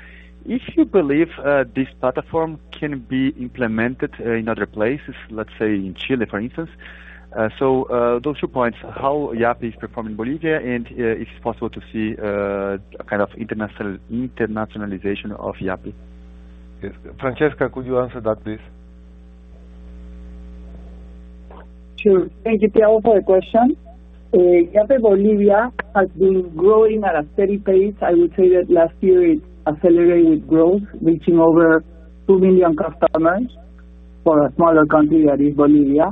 if you believe this platform can be implemented in other places, let's say in Chile, for instance. Those two points, how Yape is performing Bolivia, and if it's possible to see a kind of internationalization of Yape. Yes. Francesca, could you answer that, please? Sure. Thank you, Santiago, for the question. Yape Bolivia has been growing at a steady pace. I would say that last year it accelerated growth, reaching over two million customers for a smaller country that is Bolivia.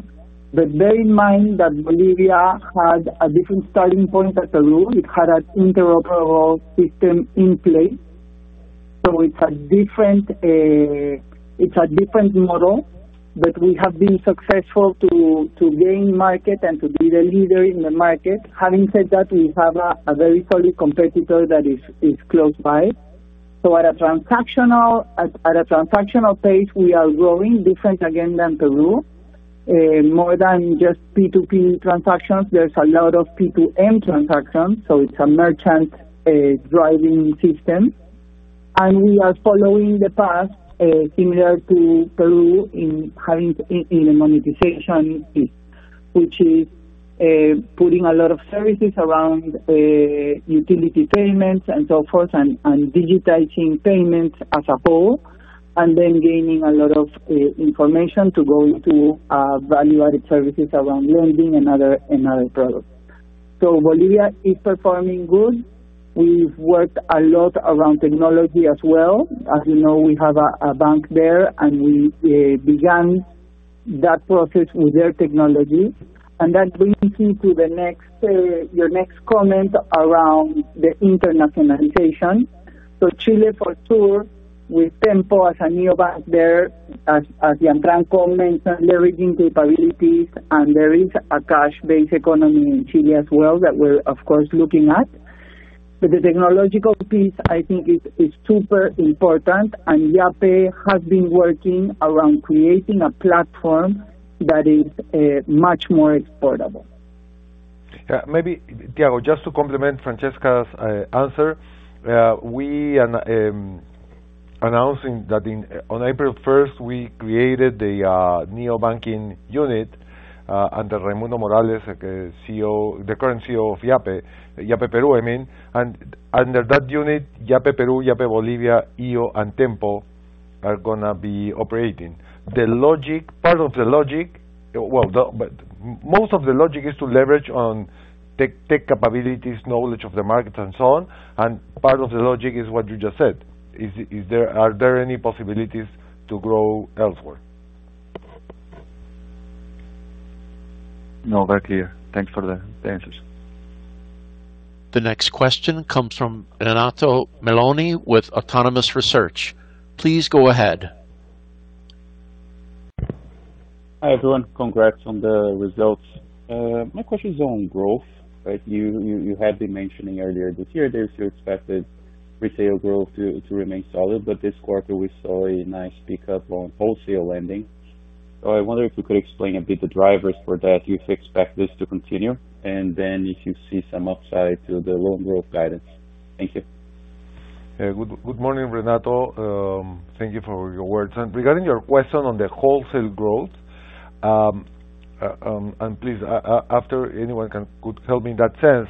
Bear in mind that Bolivia had a different starting point than Peru. It had an interoperable system in place, it's a different, it's a different model, we have been successful to gain market and to be the leader in the market. Having said that, we have a very solid competitor that is close by. At a transactional, at a transactional pace, we are growing different again than Peru. More than just P2P transactions, there's a lot of P2M transactions, it's a merchant, driving system. We are following the path similar to Peru in having in the monetization piece, which is putting a lot of services around utility payments and so forth and digitizing payments as a whole, and then gaining a lot of information to go into value-added services around lending and other, and other products. Bolivia is performing good. We've worked a lot around technology as well. As you know, we have a bank there, and we began that process with their technology. That brings me to the next, your next comment around the internationalization. Chile for sure, with Tenpo as a neobank there, as Gianfranco mentioned, leveraging capabilities, and there is a cash-based economy in Chile as well that we're, of course, looking at. The technological piece, I think is super important, and Yape has been working around creating a platform that is much more exportable. Maybe, Santiago, just to complement Francesca's answer. We announcing that on April 1, we created the neobanking unit under Raimundo Morales, CEO, the current CEO of Yape Peru, I mean. Under that unit, Yape Peru, Yape Bolivia, iO, and Tenpo are gonna be operating. The logic, part of the logic, most of the logic is to leverage on tech capabilities, knowledge of the market, and so on. Are there any possibilities to grow elsewhere? No, very clear. Thanks for the answers. The next question comes from Renato Meloni with Autonomous Research. Please go ahead. Hi, everyone. Congrats on the results. My question is on growth, right? You had been mentioning earlier this year there's your expected retail growth to remain solid. This quarter, we saw a nice pickup on wholesale lending. I wonder if you could explain a bit the drivers for that. Do you expect this to continue? If you see some upside to the loan growth guidance. Thank you. Good morning, Renato. Thank you for your words. Regarding your question on the wholesale growth, please, after anyone could help me in that sense.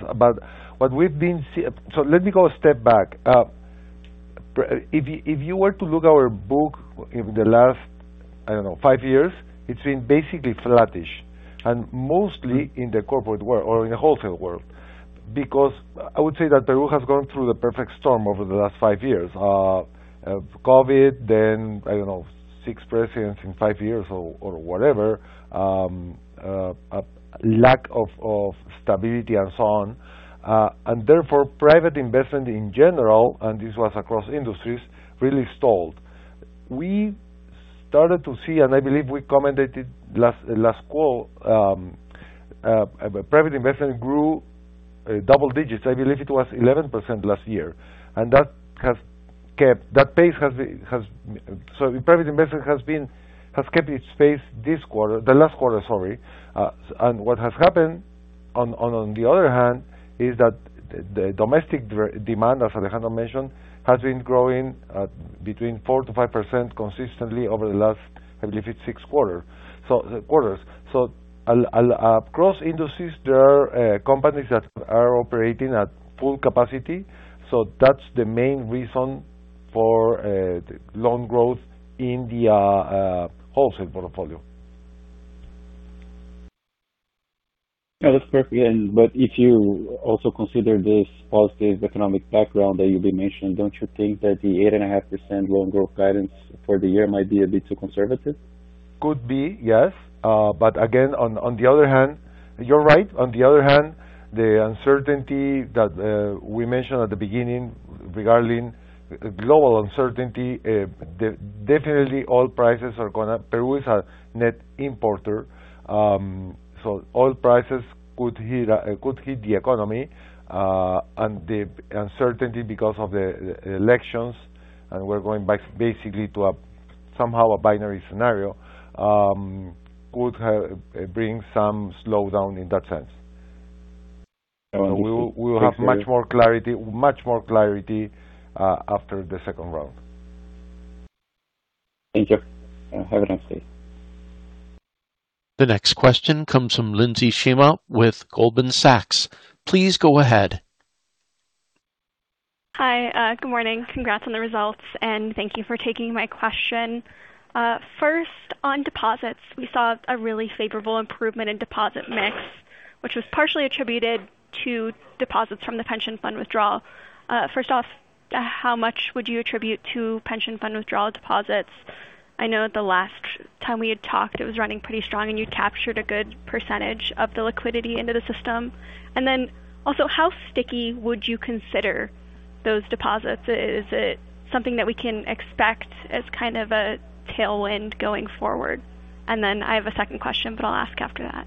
Let me go a step back. If you were to look our book in the last, I don't know, five years, it's been basically flattish, and mostly in the corporate world or in the wholesale world. I would say that Peru has gone through the perfect storm over the last five years. COVID, then, I don't know, six presidents in five years or whatever, a lack of stability and so on. Therefore, private investment in general, and this was across industries, really stalled. We started to see, and I believe we commented last call, private investment grew double digits. I believe it was 11% last year. That pace has kept its pace this quarter, the last quarter, sorry. What has happened on the other hand, is that the domestic demand, as Alejandro mentioned, has been growing at between 4%-5% consistently over the last, I believe, it's six quarters. Across industries, there are companies that are operating at full capacity. That's the main reason for loan growth in the wholesale portfolio. Yeah, that's perfect. If you also consider this positive economic background that you've been mentioning, don't you think that the 8.5% loan growth guidance for the year might be a bit too conservative? Could be, yes. Again, on the other hand, you're right. On the other hand, the uncertainty that we mentioned at the beginning regarding global uncertainty, definitely oil prices are gonna Peru is a net importer. Oil prices could hit the economy, and the uncertainty because of the elections, and we're going back basically to a somehow a binary scenario, could help bring some slowdown in that sense. We will have much more clarity after the second round. Thank you. Have a nice day. The next question comes from Lindsey Shema with Goldman Sachs. Please go ahead. Hi. Good morning. Congrats on the results, and thank you for taking my question. First, on deposits, we saw a really favorable improvement in deposit mix, which was partially attributed to deposits from the pension fund withdrawal. First off, how much would you attribute to pension fund withdrawal deposits? I know the last time we had talked, it was running pretty strong, and you captured a good percentage of the liquidity into the system. Also, how sticky would you consider those deposits? Is it something that we can expect as kind of a tailwind going forward? I have a second question, but I'll ask after that.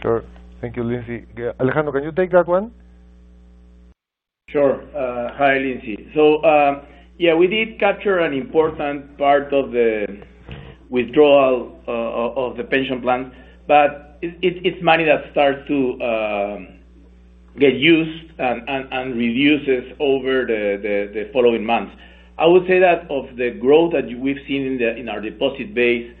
Sure. Thank you, Lindsey. Alejandro, can you take that one? Sure. Hi, Lindsey. Yeah, we did capture an important part of the withdrawal of the pension plan, but it's money that starts to get used and reduces over the following months. I would say that of the growth that we've seen in our deposit base,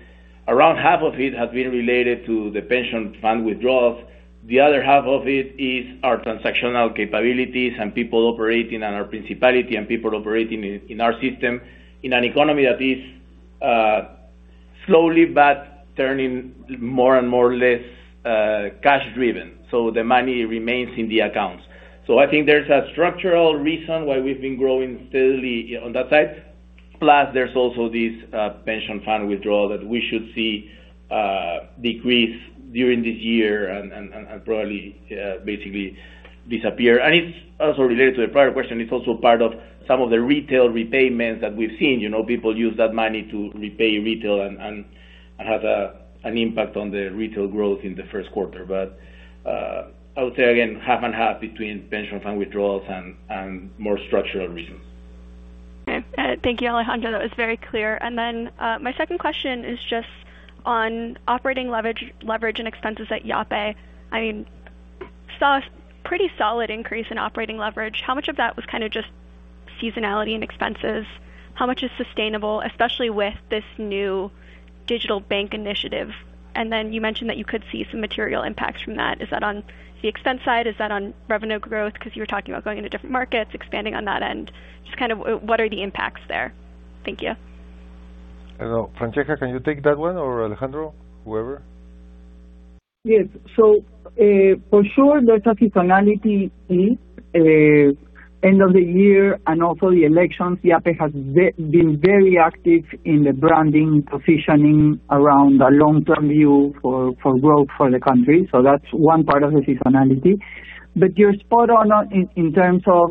around half of it has been related to the pension fund withdrawals. The other half of it is our transactional capabilities and people operating on our principality and people operating in our system in an economy that is slowly, but turning more and more or less cash driven. The money remains in the accounts. I think there's a structural reason why we've been growing steadily on that side. Plus, there's also this pension fund withdrawal that we should see decrease during this year and probably basically disappear. It's also related to the prior question. It's also part of some of the retail repayments that we've seen. You know, people use that money to repay retail and has an impact on the retail growth in the first quarter. I would say again, half and half between pension fund withdrawals and more structural reasons. Okay. Thank you, Alejandro. That was very clear. My second question is just on operating leverage and expenses at Yape. I mean, saw a pretty solid increase in operating leverage. How much of that was kind of just seasonality and expenses? How much is sustainable, especially with this new digital bank initiative? You mentioned that you could see some material impacts from that. Is that on the expense side? Is that on revenue growth? 'Cause you were talking about going into different markets, expanding on that end. Just kind of what are the impacts there? Thank you. I don't know. Francesca, can you take that one or Alejandro? Whoever. Yes. For sure, there's a seasonality, end of the year and also the elections. Yape has been very active in the branding, positioning around a long-term view for growth for the country. That's one part of the seasonality. You're spot on in terms of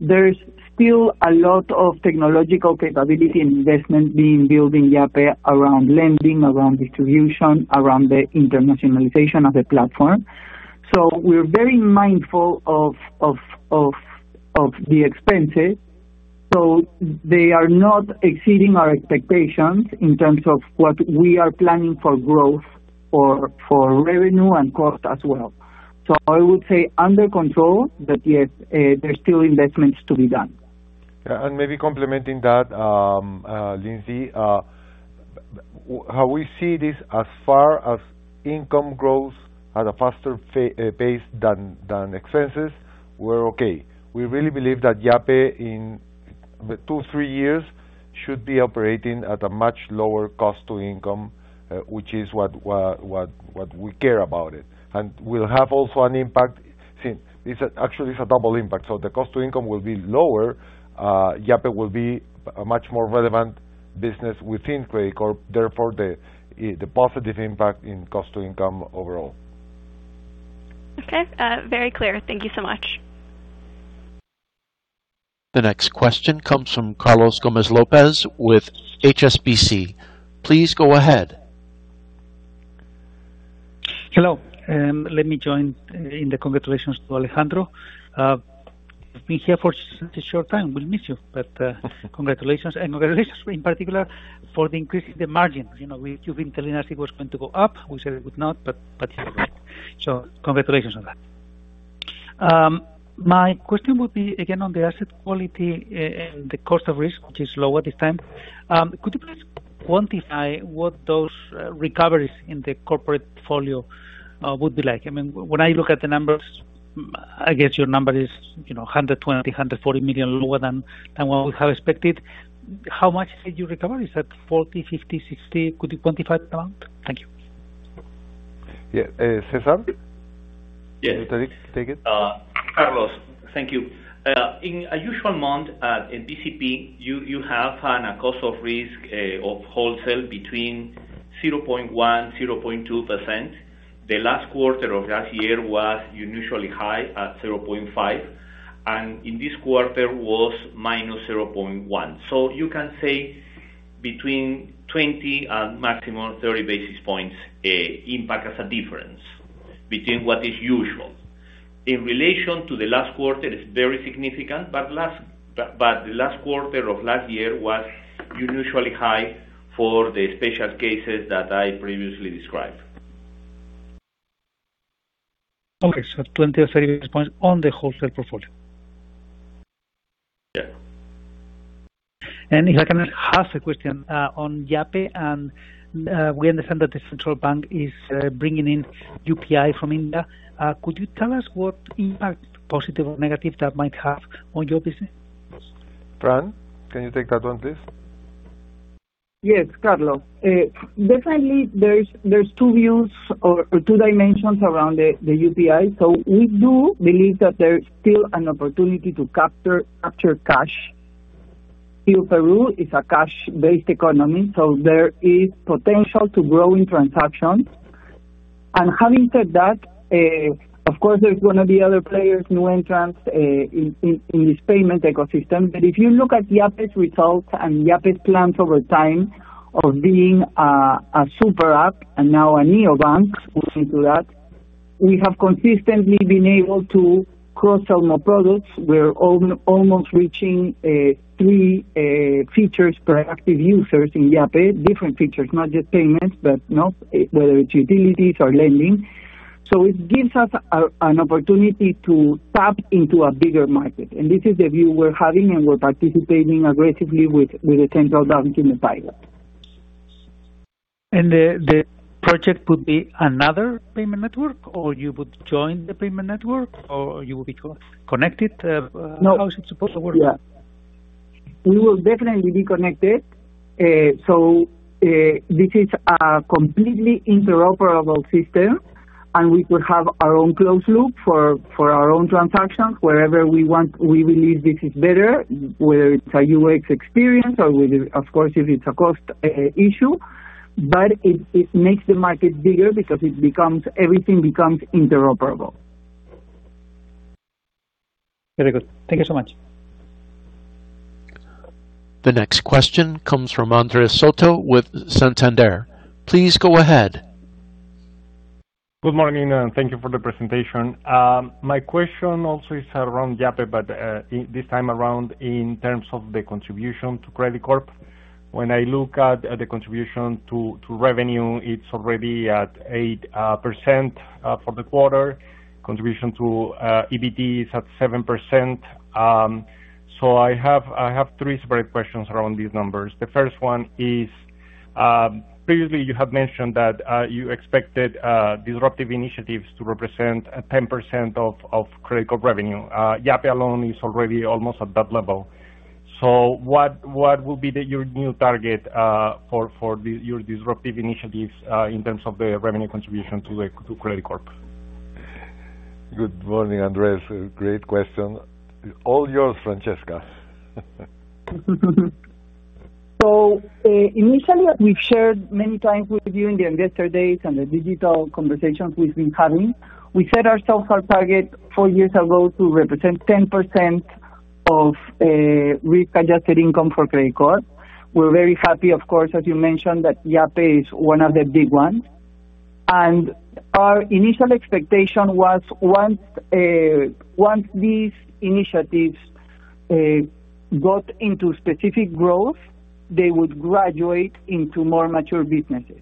there's still a lot of technological capability and investment being built in Yape around lending, around distribution, around the internationalization of the platform. We're very mindful of the expenses. They are not exceeding our expectations in terms of what we are planning for growth or for revenue and cost as well. I would say under control, but yes, there are still investments to be done. Maybe complementing that, Lindsey, how we see this as far as income growth at a faster pace than expenses, we're okay. We really believe that Yape in two, three years should be operating at a much lower cost to income, which is what we care about it. We'll have also an impact. See, this is actually is a double impact. The cost to income will be lower. Yape will be a much more relevant business within Credicorp, therefore the positive impact in cost to income overall. Okay. very clear. Thank you so much. The next question comes from Carlos Gomez-Lopez with HSBC. Please go ahead. Hello, let me join in the congratulations to Alejandro. You've been here for such a short time. We'll miss you, but congratulations. Congratulations in particular for the increase in the margin. You know, you've been telling us it was going to go up. We said it would not, but congratulations on that. My question would be again on the asset quality and the cost of risk, which is lower this time. Could you please quantify what those recoveries in the corporate portfolio would be like? I mean, when I look at the numbers, I guess your number is, you know, PEN 120 million, PEN 140 million lower than what we have expected. How much did you recover? Is that PEN 40 million, PEN 50 million, PEN 60 million? Could you quantify the amount? Thank you. Yeah, Cesar. Yes. Can you take it? Carlos, thank you. In a usual month, in BCP, you have a cost of risk of wholesale between 0.1%-0.2%. The last quarter of last year was unusually high at 0.5%, and in this quarter was -0.1%. You can say between 20 basis points and maximum 30 basis points impact as a difference between what is usual. In relation to the last quarter, it's very significant, but the last quarter of last year was unusually high for the special cases that I previously described. Okay. 20 basis points or 30 basis points on the wholesale portfolio. Yeah. If I can ask a question, on Yape, and, we understand that the central bank is bringing in UPI from India. Could you tell us what impact, positive or negative, that might have on your business? Fran, can you take that one, please? Yes, Carlos. Definitely there's two views or two dimensions around the UPI. We do believe that there's still an opportunity to capture cash. Peru is a cash-based economy, there is potential to grow in transactions. Having said that, of course, there's gonna be other players, new entrants, in this payment ecosystem. If you look at Yape's results and Yape's plans over time of being a super app and now a neobank, we'll see to that. We have consistently been able to cross-sell more products. We're almost reaching three features per active users in Yape, different features, not just payments, but, you know, whether it's utilities or lending. It gives us an opportunity to tap into a bigger market. This is the view we're having, and we're participating aggressively with the central bank in the pilot. The project would be another payment network, or you would join the payment network, or you will be connected? How is it supposed to work? Yeah. We will definitely be connected. This is a completely interoperable system, and we will have our own closed loop for our own transactions wherever we want. We believe this is better, whether it's a UX experience or whether, of course, if it's a cost issue. It makes the market bigger because everything becomes interoperable. Very good. Thank you so much. The next question comes from Andres Soto with Santander. Please go ahead. Good morning, thank you for the presentation. My question also is around Yape, this time around in terms of the contribution to Credicorp. When I look at the contribution to revenue, it's already at 8% for the quarter. Contribution to EBT is at 7%. I have three separate questions around these numbers. The first one is, previously you have mentioned that you expected disruptive initiatives to represent 10% of Credicorp revenue. Yape alone is already almost at that level. What will be your new target for your disruptive initiatives in terms of the revenue contribution to Credicorp? Good morning, Andres. Great question. All yours, Francesca. Initially, we've shared many times with you in the investor days and the digital conversations we've been having. We set ourselves our target four years ago to represent 10% of risk-adjusted income for Credicorp. We're very happy, of course, as you mentioned, that Yape is one of the big ones. Our initial expectation was once these initiatives got into specific growth, they would graduate into more mature businesses.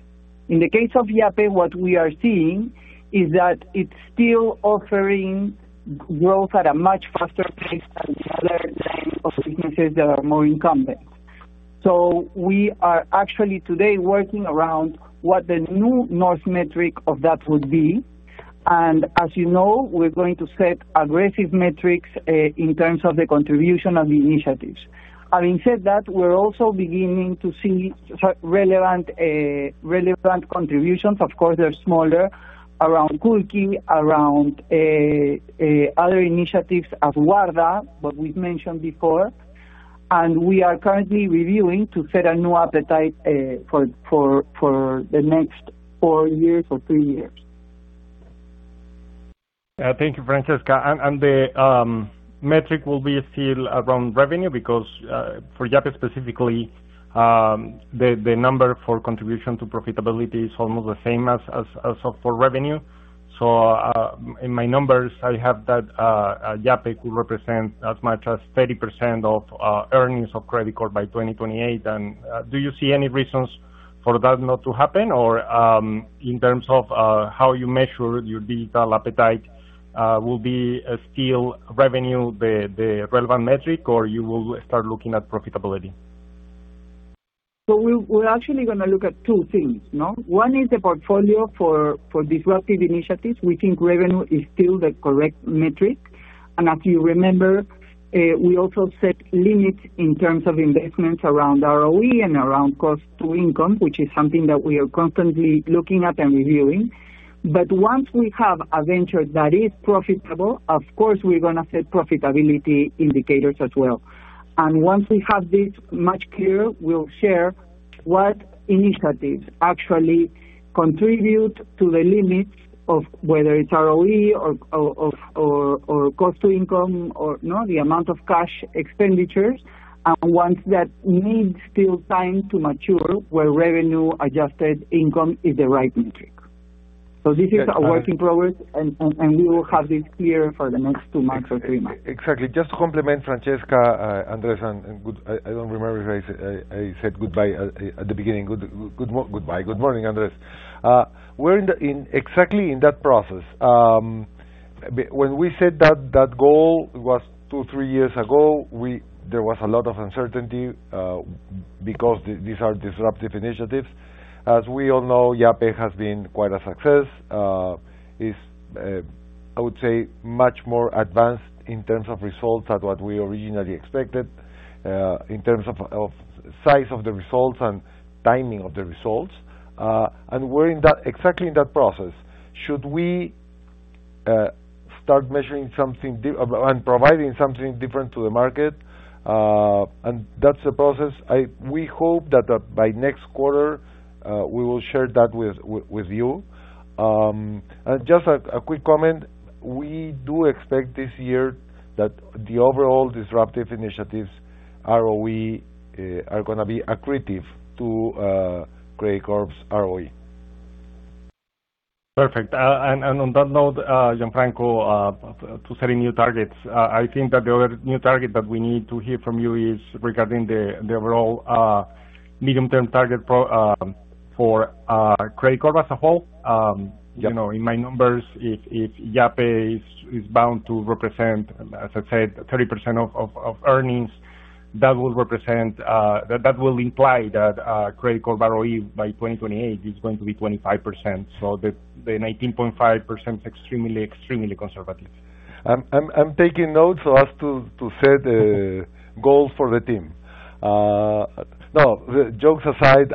In the case of Yape, what we are seeing is that it's still offering growth at a much faster pace than the other kinds of businesses that are more incumbent. We are actually today working around what the new north metric of that would be. As you know, we're going to set aggressive metrics in terms of the contribution and the initiatives. Having said that, we're also beginning to see relevant contributions, of course, they're smaller, around Culqi, around other initiatives, Warda, what we've mentioned before. We are currently reviewing to set a new appetite for the next four years or three years. Thank you, Francesca. The metric will be still around revenue because for Yape specifically, the number for contribution to profitability is almost the same as for revenue. In my numbers, I have that Yape could represent as much as 30% of earnings of Credicorp by 2028. Do you see any reasons for that not to happen? In terms of how you measure your digital appetite, will be still revenue, the relevant metric or you will start looking at profitability? We're actually gonna look at two things, no? One is the portfolio for disruptive initiatives. We think revenue is still the correct metric. If you remember, we also set limits in terms of investments around ROE and around cost to income, which is something that we are constantly looking at and reviewing. Once we have a venture that is profitable, of course, we're gonna set profitability indicators as well. Once we have this much clearer, we'll share what initiatives actually contribute to the limits of whether it's ROE or cost to income or, you know, the amount of cash expenditures. Ones that need still time to mature, where revenue-adjusted income is the right metric. This is a work in progress, and we will have this clear for the next two months or three months. Exactly. Just to complement Francesca, Andres, I don't remember if I said goodbye at the beginning. Good morning, Andres Soto. We're exactly in that process. When we set that goal two, three years ago, there was a lot of uncertainty because these are disruptive initiatives. As we all know, Yape has been quite a success. is, I would say, much more advanced in terms of results than what we originally expected in terms of size of the results and timing of the results. We're in exactly in that process. Should we start measuring something different and providing something different to the market? That's a process. We hope that by next quarter, we will share that with you. Just a quick comment, we do expect this year that the overall disruptive initiatives ROE are gonna be accretive to Credicorp's ROE. Perfect. On that note, Gianfranco, to setting new targets, I think that the other new target that we need to hear from you is regarding the overall, medium-term target pro, for Credicorp as a whole. Yeah. You know, in my numbers, if Yape is bound to represent, as I said, 30% of earnings, that will represent, that will imply that Credicorp ROE by 2028 is going to be 25%. The 19.5% extremely conservative. I'm taking notes so as to set goals for the team. No, jokes aside,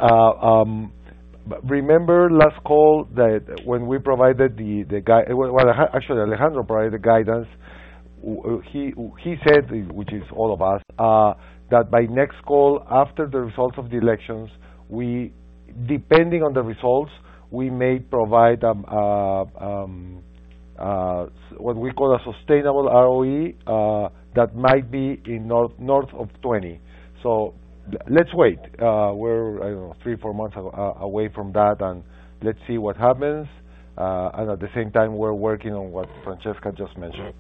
remember last call that when we provided the guidance, well, Alejandro provided the guidance. He said, which is all of us, that by next call, after the results of the elections, we, depending on the results, we may provide what we call a sustainable ROE that might be in north of 20%. Let's wait. We're, I don't know, three, four months away from that, and let's see what happens. At the same time, we're working on what Francesca just mentioned.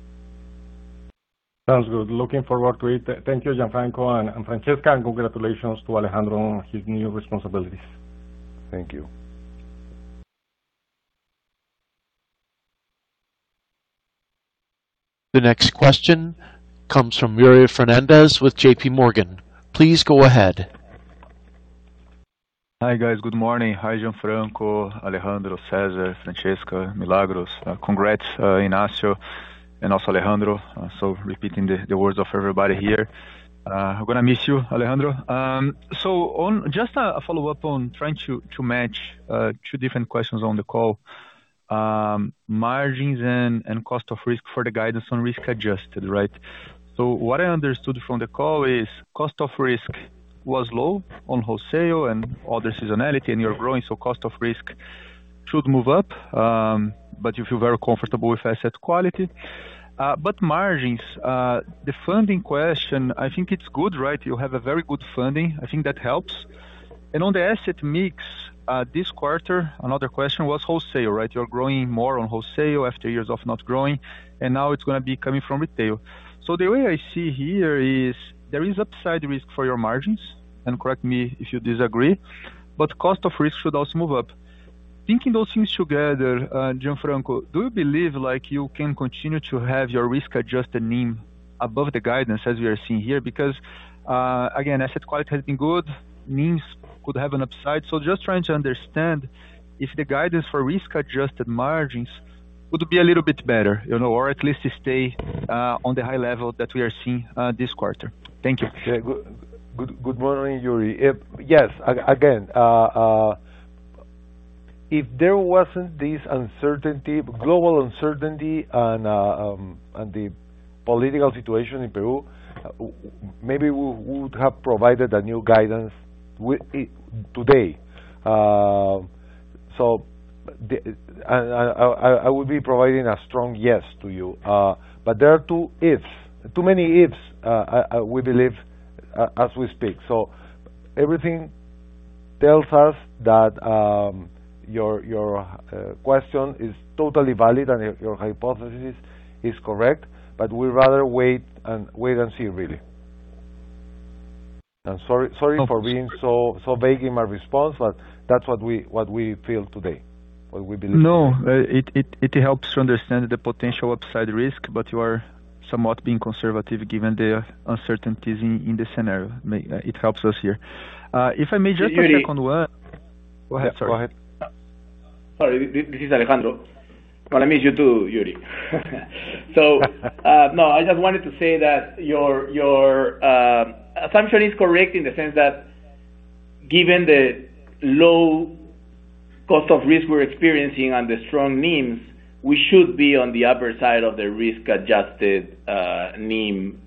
Sounds good. Looking forward to it. Thank you, Gianfranco and Francesca, and congratulations to Alejandro on his new responsibilities. Thank you. The next question comes from Yuri Fernandes with JPMorgan. Please go ahead. Hi, guys. Good morning. Hi, Gianfranco, Alejandro, Cesar, Francesca, Milagros. Congrats, Ignacio and also Alejandro. Repeating the words of everybody here, we're gonna miss you, Alejandro. Just a follow-up on trying to match two different questions on the call. Margins and cost of risk for the guidance on risk-adjusted, right? What I understood from the call is cost of risk was low on wholesale and all the seasonality, and you're growing, cost of risk should move up. You feel very comfortable with asset quality. Margins, the funding question, I think it's good, right? You have a very good funding. I think that helps. On the asset mix, this quarter, another question was wholesale, right? You're growing more on wholesale after years of not growing, now it's gonna be coming from retail. The way I see here is there is upside risk for your margins, correct me if you disagree, cost of risk should also move up. Linking those things together, Gianfranco, do you believe, like, you can continue to have your risk-adjusted NIM above the guidance as we are seeing here? Again, asset quality has been good, NIMs could have an upside. Just trying to understand if the guidance for risk-adjusted margins would be a little bit better, you know, or at least stay on the high level that we are seeing this quarter. Thank you. Good morning, Yuri. Yes, again, if there wasn't this uncertainty, global uncertainty and the political situation in Peru, maybe we would have provided a new guidance today. I will be providing a strong yes to you. There are two ifs, too many ifs, we believe as we speak. Everything tells us that your question is totally valid and your hypothesis is correct, but we'd rather wait and see really. Sorry for being so vague in my response, but that's what we feel today, what we believe today. It helps to understand the potential upside risk, but you are somewhat being conservative given the uncertainties in the scenario. It helps us here. Yuri. Go ahead, sorry. Go ahead. Sorry, this is Alejandro. I miss you too, Yuri. No, I just wanted to say that your assumption is correct in the sense that given the low cost of risk we're experiencing and the strong NIMs, we should be on the upper side of the risk-adjusted NIM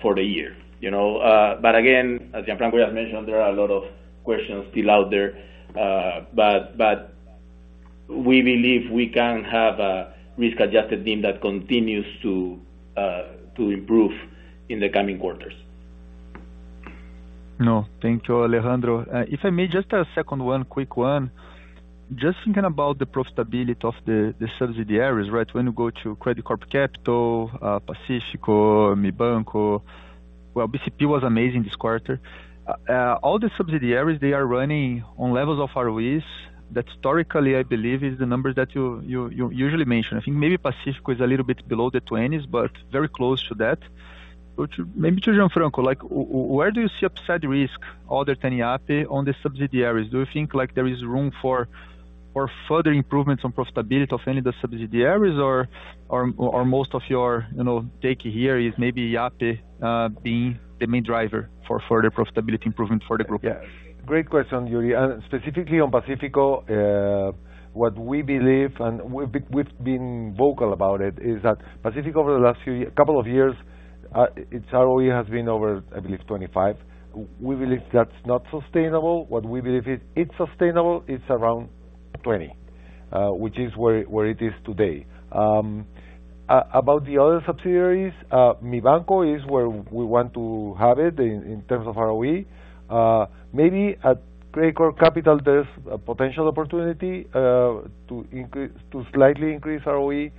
for the year, you know. Again, as Gianfranco has mentioned, there are a lot of questions still out there. We believe we can have a risk-adjusted NIM that continues to improve in the coming quarters. No, thank you, Alejandro. If I may just a second one, quick one. Just thinking about the profitability of the subsidiaries, right? When you go to Credicorp Capital, Pacífico, Mibanco, well, BCP was amazing this quarter. All the subsidiaries, they are running on levels of ROEs that historically, I believe, is the numbers that you usually mention. I think maybe Pacífico is a little bit below the 20%s, but very close to that. Maybe to Gianfranco Ferrari, like, where do you see upside risk other than Yape on the subsidiaries? Do you think, like, there is room for further improvements on profitability of any of the subsidiaries or most of your, you know, take here is maybe Yape being the main driver for further profitability improvement for the group? Yeah. Great question, Yuri. Specifically on Pacífico, what we believe, and we've been vocal about it, is that Pacífico over the last couple of years, its ROE has been over, I believe, 25%. We believe that's not sustainable. What we believe is it's sustainable, it's around 20%, which is where it is today. About the other subsidiaries, Mibanco is where we want to have it in terms of ROE. Maybe at Credicorp Capital, there's a potential opportunity to increase, to slightly increase ROE,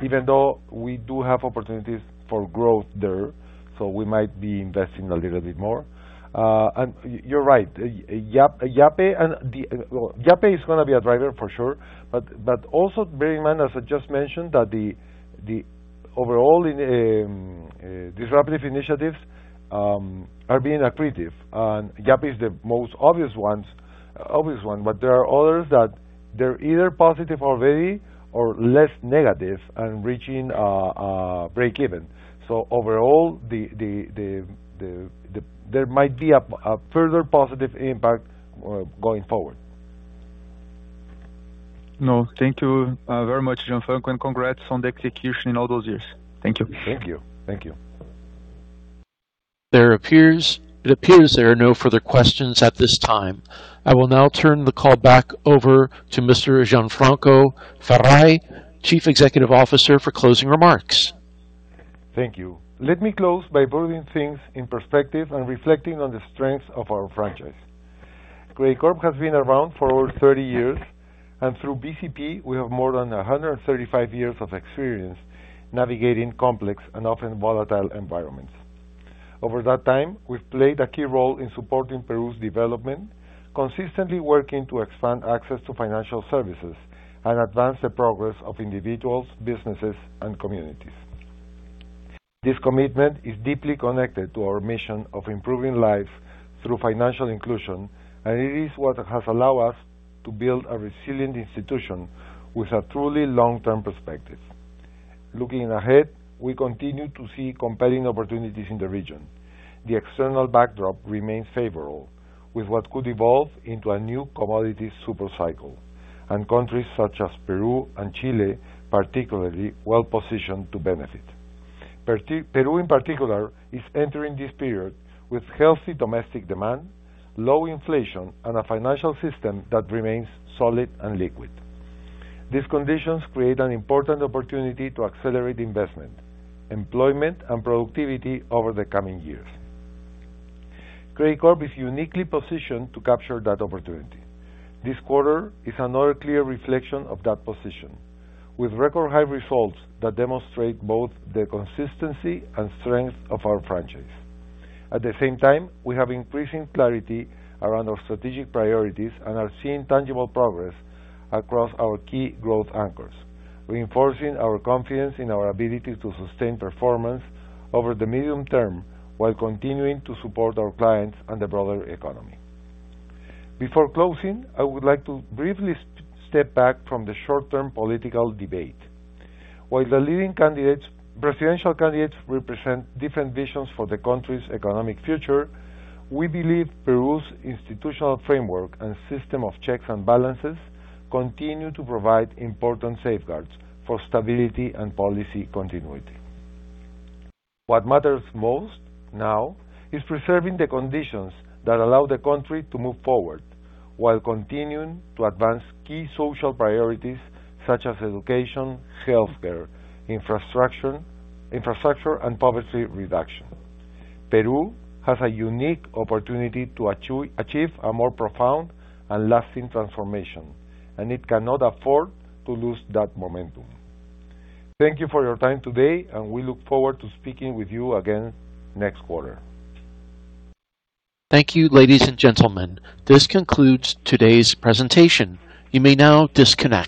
even though we do have opportunities for growth there, so we might be investing a little bit more. You're right. Well, Yape is going to be a driver for sure, but also bear in mind, as I just mentioned, that the overall disruptive initiatives are being accretive. Yape is the most obvious one, but there are others that they're either positive already or less negative and reaching breakeven. Overall, there might be a further positive impact going forward. No, thank you, very much, Gianfranco, and congrats on the execution in all those years. Thank you. Thank you. Thank you. It appears there are no further questions at this time. I will now turn the call back over to Mr. Gianfranco Ferrari, Chief Executive Officer, for closing remarks. Thank you. Let me close by putting things in perspective and reflecting on the strengths of our franchise. Credicorp has been around for over 30 years, and through BCP, we have more than 135 years of experience navigating complex and often volatile environments. Over that time, we've played a key role in supporting Peru's development, consistently working to expand access to financial services and advance the progress of individuals, businesses, and communities. This commitment is deeply connected to our mission of improving lives through financial inclusion, and it is what has allowed us to build a resilient institution with a truly long-term perspective. Looking ahead, we continue to see compelling opportunities in the region. The external backdrop remains favorable, with what could evolve into a new commodity super cycle, and countries such as Peru and Chile particularly well-positioned to benefit. Peru in particular is entering this period with healthy domestic demand, low inflation, and a financial system that remains solid and liquid. These conditions create an important opportunity to accelerate investment, employment, and productivity over the coming years. Credicorp is uniquely positioned to capture that opportunity. This quarter is another clear reflection of that position, with record-high results that demonstrate both the consistency and strength of our franchise. At the same time, we have increasing clarity around our strategic priorities and are seeing tangible progress across our key growth anchors, reinforcing our confidence in our ability to sustain performance over the medium term while continuing to support our clients and the broader economy. Before closing, I would like to briefly step back from the short-term political debate. While the leading candidates, presidential candidates represent different visions for the country's economic future, we believe Peru's institutional framework and system of checks and balances continue to provide important safeguards for stability and policy continuity. What matters most now is preserving the conditions that allow the country to move forward while continuing to advance key social priorities such as education, healthcare, infrastructure, and poverty reduction. Peru has a unique opportunity to achieve a more profound and lasting transformation, and it cannot afford to lose that momentum. Thank you for your time today, and we look forward to speaking with you again next quarter. Thank you, ladies and gentlemen. This concludes today's presentation. You may now disconnect.